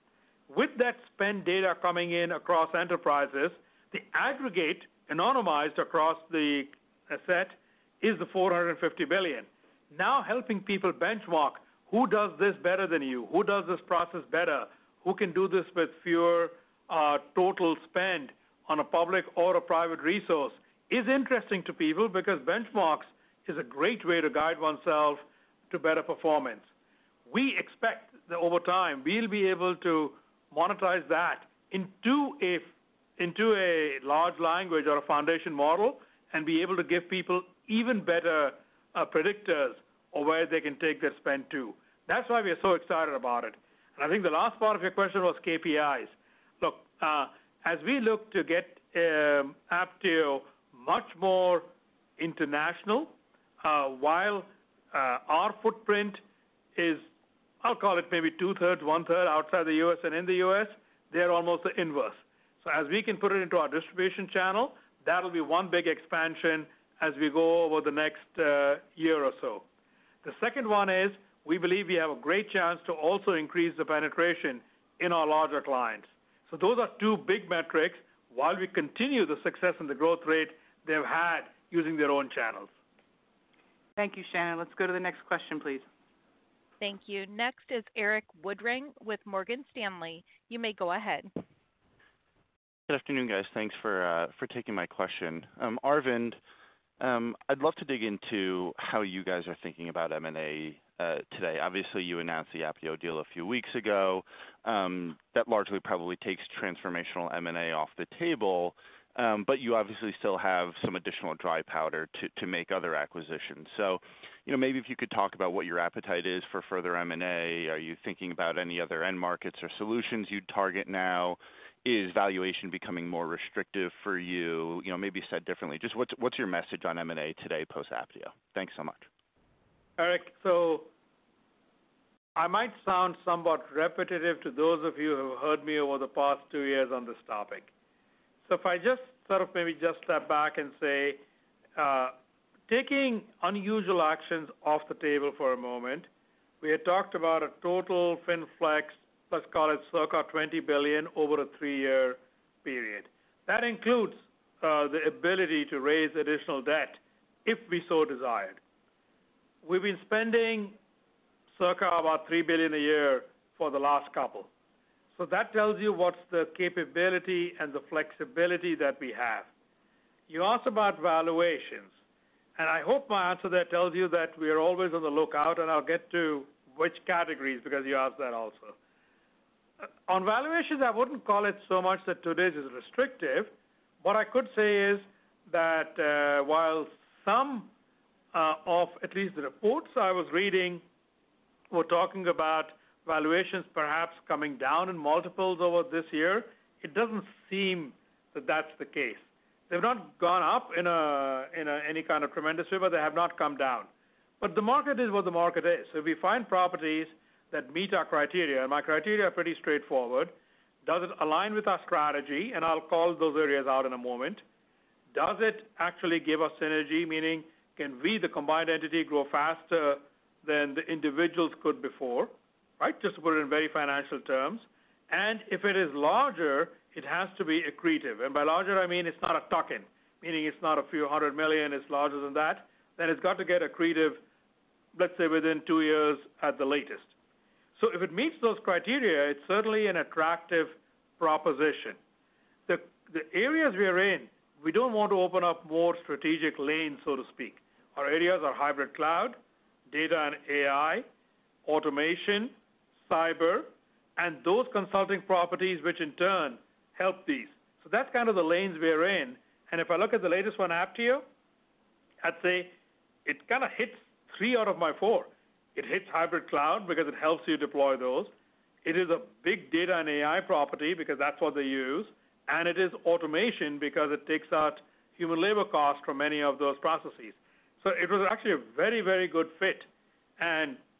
Speaker 3: With that spend data coming in across enterprises, the aggregate, anonymized across the set, is the $450 billion. Now helping people benchmark who does this better than you, who does this process better, who can do this with fewer, total spend on a public or a private resource, is interesting to people because benchmarks is a great way to guide oneself to better performance. We expect that over time, we'll be able to monetize that into a large language or a foundation model and be able to give people even better predictors of where they can take their spend to. That's why we are so excited about it. I think the last part of your question was KPIs. Look, as we look to get Apptio much more international, while our footprint is, I'll call it maybe two-thirds, one-third outside the U.S. and in the U.S., they're almost the inverse. As we can put it into our distribution channel, that'll be one big expansion as we go over the next year or so. The second one is we believe we have a great chance to also increase the penetration in our larger clients. Those are two big metrics while we continue the success and the growth rate they've had using their own channels.
Speaker 2: Thank you, Shannon. Let's go to the next question, please.
Speaker 1: Thank you. Next is Erik Woodring with Morgan Stanley. You may go ahead.
Speaker 9: Good afternoon, guys. Thanks for taking my question. Arvind, I'd love to dig into how you guys are thinking about M&A today. Obviously, you announced the Apptio deal a few weeks ago. That largely probably takes transformational M&A off the table. You obviously still have some additional dry powder to make other acquisitions. You know, maybe if you could talk about what your appetite is for further M&A, are you thinking about any other end markets or solutions you'd target now? Is valuation becoming more restrictive for you? You know, maybe said differently, just what's your message on M&A today, post-Apptio? Thanks so much.
Speaker 3: Erik, I might sound somewhat repetitive to those of you who have heard me over the past two years on this topic. If I just sort of maybe just step back and say, taking unusual actions off the table for a moment, we had talked about a total fin flex, let's call it circa $20 billion over a three-year period. That includes the ability to raise additional debt if we so desired. We've been spending circa about $3 billion a year for the last couple. That tells you what's the capability and the flexibility that we have. You asked about valuations, and I hope my answer there tells you that we are always on the lookout, and I'll get to which categories, because you asked that also. On valuations, I wouldn't call it so much that today's is restrictive. What I could say is that, while some of at least the reports I was reading, were talking about valuations perhaps coming down in multiples over this year, it doesn't seem that that's the case. They've not gone up in any kind of tremendous way, but they have not come down. The market is what the market is. If we find properties that meet our criteria, and my criteria are pretty straightforward: Does it align with our strategy? I'll call those areas out in a moment. Does it actually give us synergy? Meaning, can we, the combined entity, grow faster than the individuals could before, right? Just to put it in very financial terms. If it is larger, it has to be accretive. By larger, I mean it's not a token, meaning it's not a few hundred million, it's larger than that, then it's got to get accretive, let's say, within two years at the latest. If it meets those criteria, it's certainly an attractive proposition. The areas we are in, we don't want to open up more strategic lanes, so to speak. Our areas are hybrid cloud, data and AI, automation, cyber, and those consulting properties, which in turn help these. That's kind of the lanes we are in. If I look at the latest one, Apptio, I'd say it kinda hits three out of my four. It hits hybrid cloud because it helps you deploy those. It is a big data and AI property because that's what they use, and it is automation because it takes out human labor costs from many of those processes. It was actually a very, very good fit.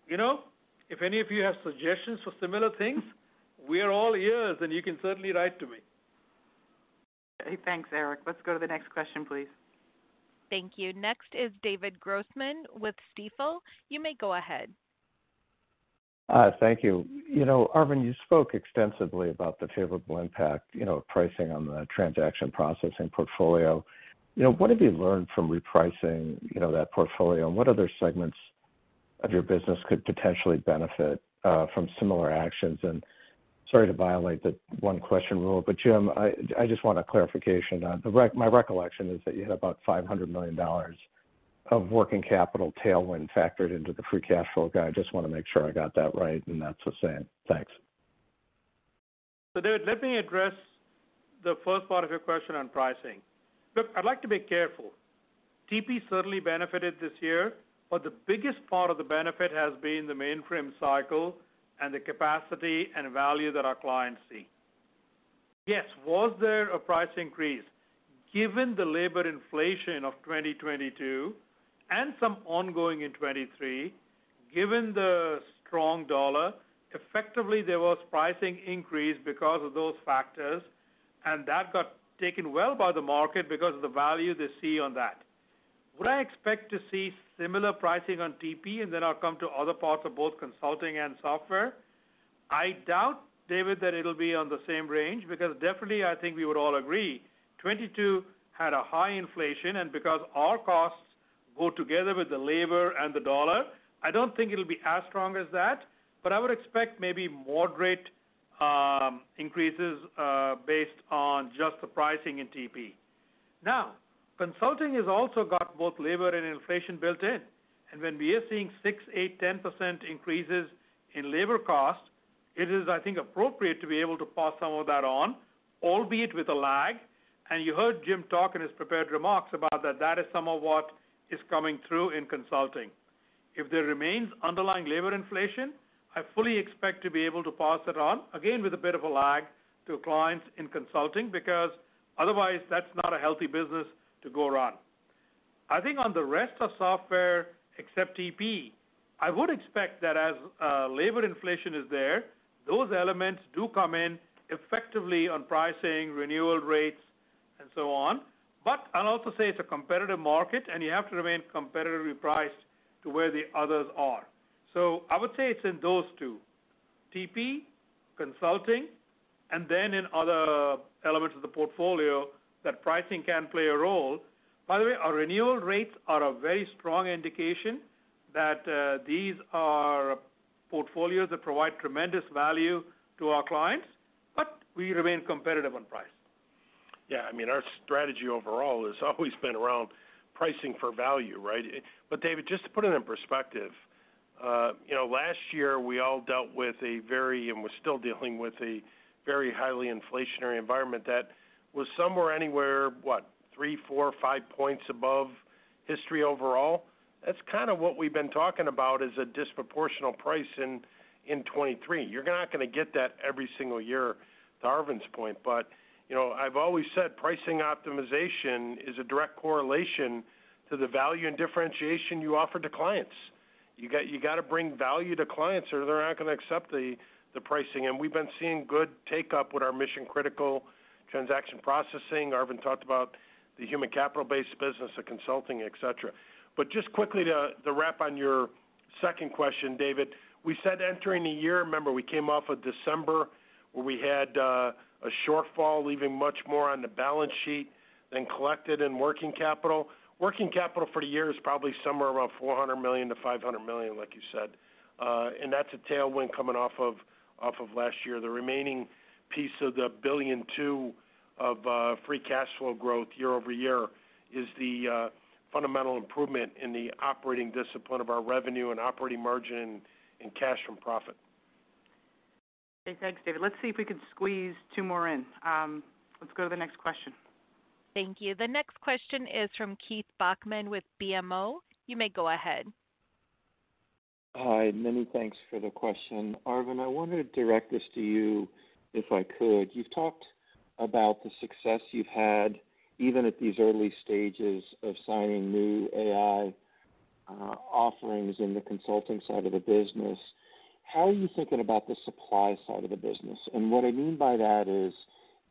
Speaker 3: You know, if any of you have suggestions for similar things, we are all ears, and you can certainly write to me.
Speaker 2: Hey, thanks, Erik. Let's go to the next question, please.
Speaker 1: Thank you. Next is David Grossman with Stifel. You may go ahead.
Speaker 10: Thank you. You know, Arvind, you spoke extensively about the favorable impact, you know, of pricing on the transaction processing portfolio. You know, what have you learned from repricing, you know, that portfolio? What other segments of your business could potentially benefit from similar actions? Sorry to violate the one question rule, but Jim, I just want a clarification on. My recollection is that you had about $500 million of working capital tailwind factored into the free cash flow guide. I just wanna make sure I got that right, and that's the same. Thanks.
Speaker 3: David, let me address the first part of your question on pricing. Look, I'd like to be careful. TP certainly benefited this year, but the biggest part of the benefit has been the mainframe cycle and the capacity and value that our clients see. Yes, was there a price increase? Given the labor inflation of 2022 and some ongoing in 2023, given the strong dollar, effectively there was pricing increase because of those factors, and that got taken well by the market because of the value they see on that. Would I expect to see similar pricing on TP, and then I'll come to other parts of both consulting and software? I doubt, David, that it'll be on the same range, because definitely I think we would all agree, 2022 had a high inflation, and because our costs go together with the labor and the dollar, I don't think it'll be as strong as that, but I would expect maybe moderate increases based on just the pricing in TP. Consulting has also got both labor and inflation built in, and when we are seeing 6%, 8%, 10% increases in labor costs, it is, I think, appropriate to be able to pass some of that on, albeit with a lag. You heard Jim talk in his prepared remarks about that. That is some of what is coming through in consulting. If there remains underlying labor inflation, I fully expect to be able to pass it on, again, with a bit of a lag to clients in consulting, because otherwise that's not a healthy business to go run. I think on the rest of software, except TP, I would expect that as labor inflation is there, those elements do come in effectively on pricing, renewal rates, and so on. I'll also say it's a competitive market, and you have to remain competitively priced to where the others are. I would say it's in those two, TP, consulting, and then in other elements of the portfolio, that pricing can play a role. By the way, our renewal rates are a very strong indication that these are portfolios that provide tremendous value to our clients, but we remain competitive on price.
Speaker 4: Yeah, I mean, our strategy overall has always been around pricing for value, right? David, just to put it in perspective, you know, last year, we all dealt with a very, and we're still dealing with a very highly inflationary environment that was somewhere, anywhere, what? 3 points, 4 points, 5 points above history overall. That's kinda what we've been talking about as a disproportional price in 2023. You're not gonna get that every single year, to Arvind's point. You know, I've always said pricing optimization is a direct correlation to the value and differentiation you offer to clients. You gotta bring value to clients, or they're not gonna accept the pricing. We've been seeing good take up with our mission-critical transaction processing. Arvind talked about the human capital-based business, the consulting, et cetera. Just quickly to wrap on your second question, David, we said entering the year. Remember, we came off a December, where we had a shortfall, leaving much more on the balance sheet than collected in working capital. Working capital for the year is probably somewhere around $400 million-$500 million, like you said. And that's a tailwind coming off of last year. The remaining piece of the $1.2 billion of free cash flow growth year-over-year is the fundamental improvement in the operating discipline of our revenue and operating margin and cash from profit.
Speaker 2: Okay, thanks, David. Let's see if we can squeeze two more in. Let's go to the next question.
Speaker 1: Thank you. The next question is from Keith Bachman with BMO. You may go ahead.
Speaker 11: Hi, many thanks for the question. Arvind, I wanted to direct this to you, if I could. You've talked about the success you've had, even at these early stages of signing new AI offerings in the consulting side of the business. How are you thinking about the supply side of the business? What I mean by that is,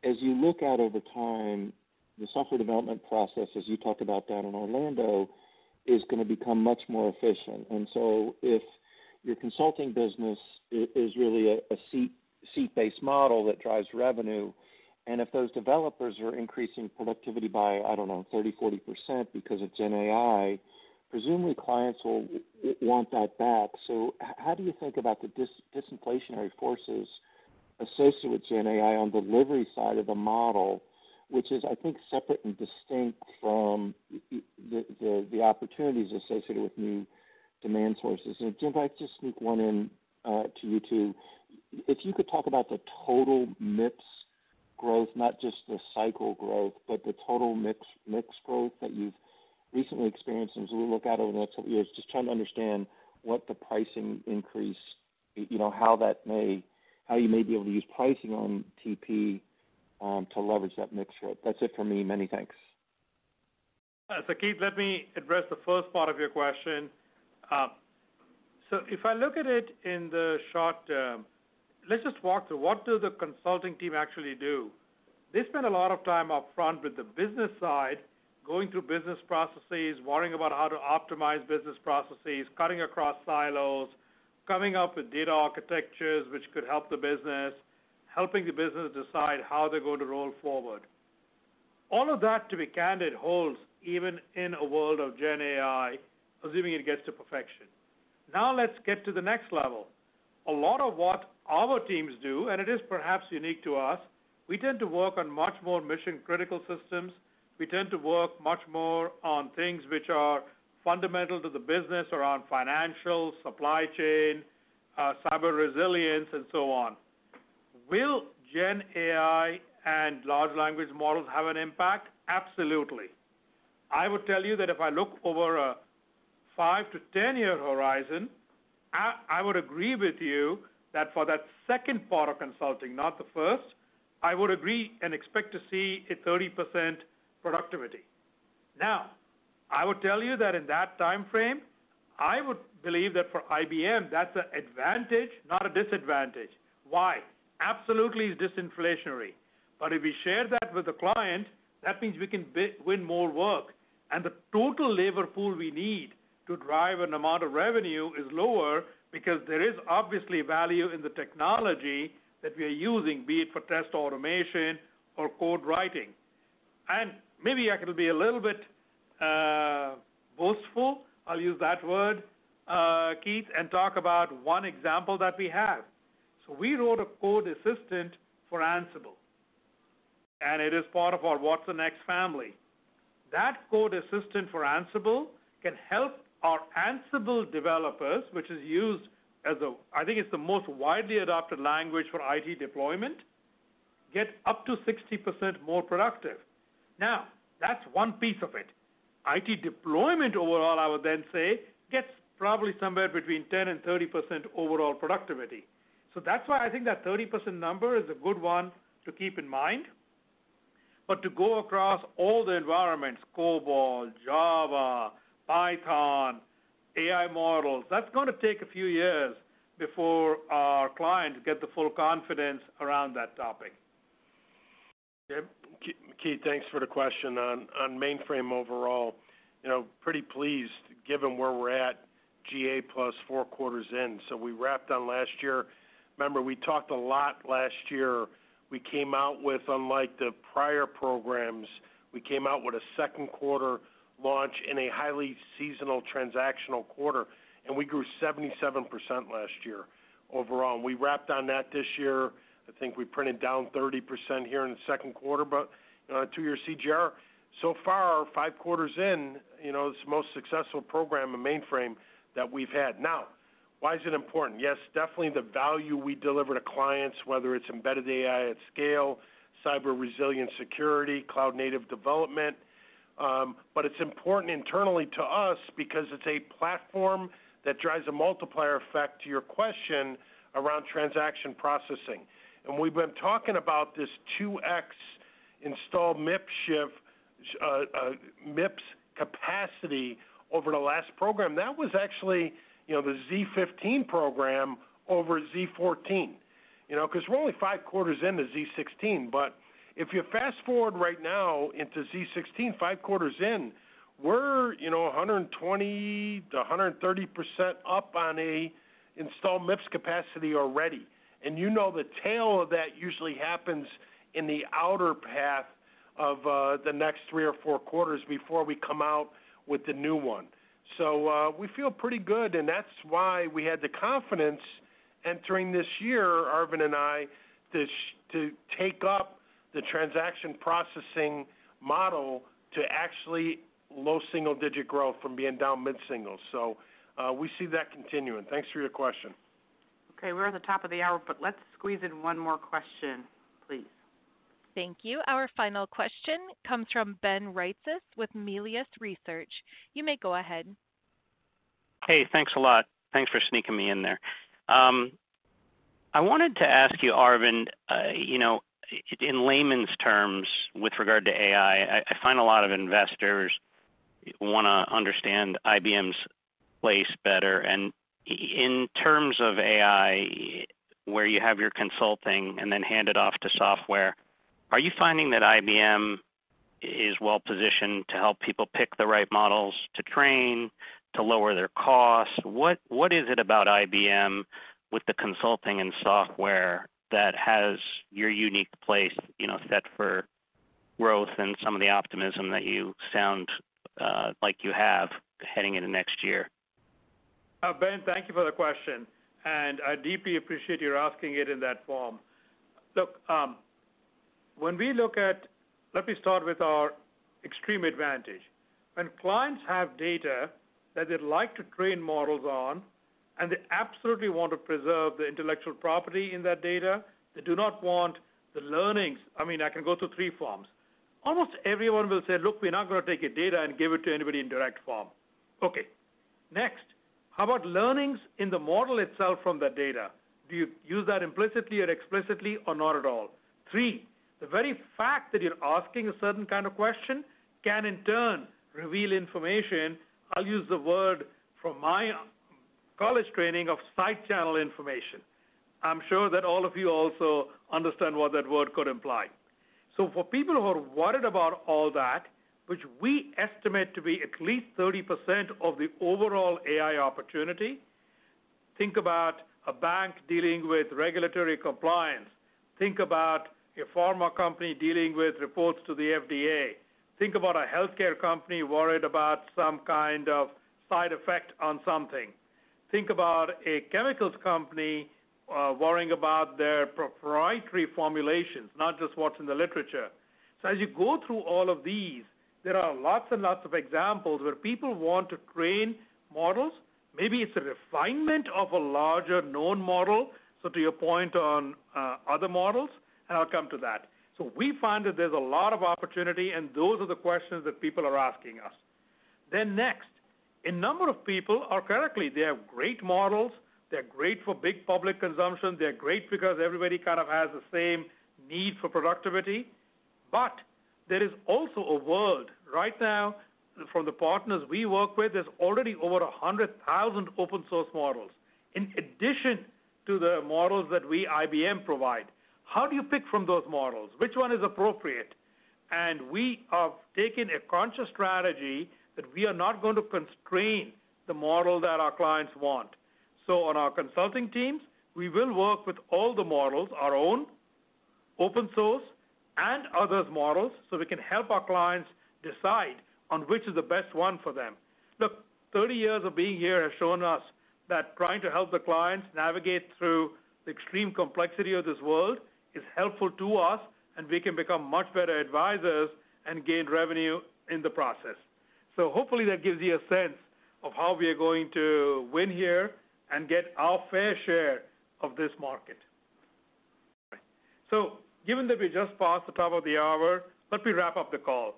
Speaker 11: as you look out over time, the software development process, as you talked about down in Orlando, is gonna become much more efficient. If your consulting business is really a seat-based model that drives revenue, and if those developers are increasing productivity by, I don't know, 30%, 40% because of GenAI, presumably clients will want that back. How do you think about the disinflationary forces associated with GenAI on the delivery side of the model, which is, I think, separate and distinct from the opportunities associated with new demand sources? Jim, if I could just sneak one in to you, too. If you could talk about the total mix growth, not just the cycle growth, but the total mix growth that you've recently experienced and as we look out over the next couple years, just trying to understand what the pricing increase, you know, how you may be able to use pricing on TP to leverage that mix growth. That's it for me. Many thanks.
Speaker 3: Keith, let me address the first part of your question. If I look at it in the short term, let's just walk through, what does the consulting team actually do? They spend a lot of time upfront with the business side, going through business processes, worrying about how to optimize business processes, cutting across silos, coming up with data architectures which could help the business, helping the business decide how they're going to roll forward. All of that, to be candid, holds even in a world of GenAI, assuming it gets to perfection. Let's get to the next level. A lot of what our teams do, and it is perhaps unique to us, we tend to work on much more mission-critical systems. We tend to work much more on things which are fundamental to the business around financial, supply chain, cyber resilience, and so on. Will GenAI and large language models have an impact? Absolutely. I would tell you that if I look over a five-10 year horizon, I would agree with you that for that second part of consulting, not the first, I would agree and expect to see a 30% productivity. Now, I would tell you that in that time frame, I would believe that for IBM, that's an advantage, not a disadvantage. Why? Absolutely, it's disinflationary, but if we share that with the client, that means we can win more work. The total labor pool we need to drive an amount of revenue is lower because there is obviously value in the technology that we are using, be it for test automation or code writing. Maybe I could be a little bit boastful, I'll use that word, Keith, and talk about one example that we have. We wrote a code assistant for Ansible, and it is part of our watsonx family. That code assistant for Ansible can help our Ansible developers, which is used as I think it's the most widely adopted language for IT deployment, get up to 60% more productive. That's one piece of it. IT deployment overall, I would say, gets probably somewhere between 10%-30% overall productivity. That's why I think that 30% number is a good one to keep in mind. To go across all the environments, COBOL, Java, Python, AI models, that's gonna take a few years before our clients get the full confidence around that topic.
Speaker 4: Okay. Keith, thanks for the question. On mainframe overall, you know, pretty pleased, given where we're at GA plus four quarters in. We wrapped on last year. Remember, we talked a lot last year. We came out with, unlike the prior programs, we came out with a second quarter launch in a highly seasonal transactional quarter, and we grew 77% last year overall. We wrapped on that this year. I think we printed down 30% here in the second quarter. You know, two-year CGR, so far, five quarters in, you know, it's the most successful program in mainframe that we've had. Why is it important? Yes, definitely the value we deliver to clients, whether it's embedded AI at scale, cyber resilient security, cloud native development, but it's important internally to us because it's a platform that drives a multiplier effect to your question around transaction processing. We've been talking about this 2x install MIPS shift, MIPS capacity over the last program. That was actually, you know, the z15 program over z14. You know, 'cause we're only five quarters into z16, but if you fast forward right now into z16, 5 quarters in, we're, you know, 120%-130% up on a installed MIPS capacity already. You know the tail of that usually happens in the outer path of the next three or four quarters before we come out with the new one. We feel pretty good, and that's why we had the confidence entering this year, Arvind and I, to take up the transaction processing model to actually low single-digit growth from being down mid-single. We see that continuing. Thanks for your question.
Speaker 2: Okay, we're at the top of the hour, but let's squeeze in one more question, please.
Speaker 1: Thank you. Our final question comes from Ben Reitzes with Melius Research. You may go ahead.
Speaker 12: Hey, thanks a lot. Thanks for sneaking me in there. I wanted to ask you, Arvind, you know, in layman's terms, with regard to AI, I find a lot of investors wanna understand IBM's place better. In terms of AI, where you have your consulting and then hand it off to software, are you finding that IBM is well-positioned to help people pick the right models to train, to lower their costs? What, what is it about IBM with the consulting and software that has your unique place, you know, set for growth and some of the optimism that you sound like you have heading into next year?
Speaker 3: Ben, thank you for the question. I deeply appreciate your asking it in that form. Look, let me start with our extreme advantage. When clients have data that they'd like to train models on, they absolutely want to preserve the intellectual property in that data, they do not want the learnings. I mean, I can go through three forms. Almost everyone will say, "Look, we're not gonna take your data and give it to anybody in direct form." Okay. Next, how about learnings in the model itself from that data? Do you use that implicitly or explicitly or not at all? Three, the very fact that you're asking a certain kind of question can, in turn, reveal information. I'll use the word from my college training of side channel information. I'm sure that all of you also understand what that word could imply. For people who are worried about all that, which we estimate to be at least 30% of the overall AI opportunity, think about a bank dealing with regulatory compliance. Think about a pharma company dealing with reports to the FDA. Think about a healthcare company worried about some kind of side effect on something. Think about a chemicals company worrying about their proprietary formulations, not just what's in the literature. As you go through all of these, there are lots and lots of examples where people want to train models. Maybe it's a refinement of a larger known model, so to your point on other models, and I'll come to that. We find that there's a lot of opportunity, and those are the questions that people are asking us. Next, a number of people are correctly. They have great models. They're great for big public consumption. They're great because everybody kind of has the same need for productivity. There is also a world right now, from the partners we work with, there's already over 100,000 open source models, in addition to the models that we, IBM, provide. How do you pick from those models? Which one is appropriate? We have taken a conscious strategy that we are not going to constrain the model that our clients want. On our consulting teams, we will work with all the models, our own, open source, and others' models, so we can help our clients decide on which is the best one for them. Look, 30 years of being here has shown us that trying to help the clients navigate through the extreme complexity of this world is helpful to us, and we can become much better advisors and gain revenue in the process. Hopefully that gives you a sense of how we are going to win here and get our fair share of this market. Given that we just passed the top of the hour, let me wrap up the call.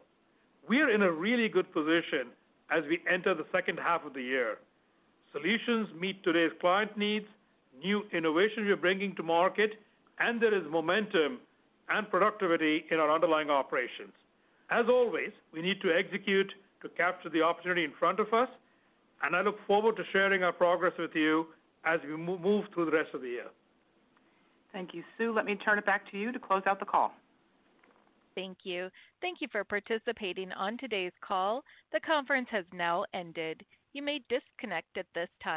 Speaker 3: We are in a really good position as we enter the second half of the year. Solutions meet today's client needs, new innovation we're bringing to market, and there is momentum and productivity in our underlying operations. As always, we need to execute to capture the opportunity in front of us, and I look forward to sharing our progress with you as we move through the rest of the year.
Speaker 2: Thank you. Sue, let me turn it back to you to close out the call.
Speaker 1: Thank you. Thank you for participating on today's call. The conference has now ended. You may disconnect at this time.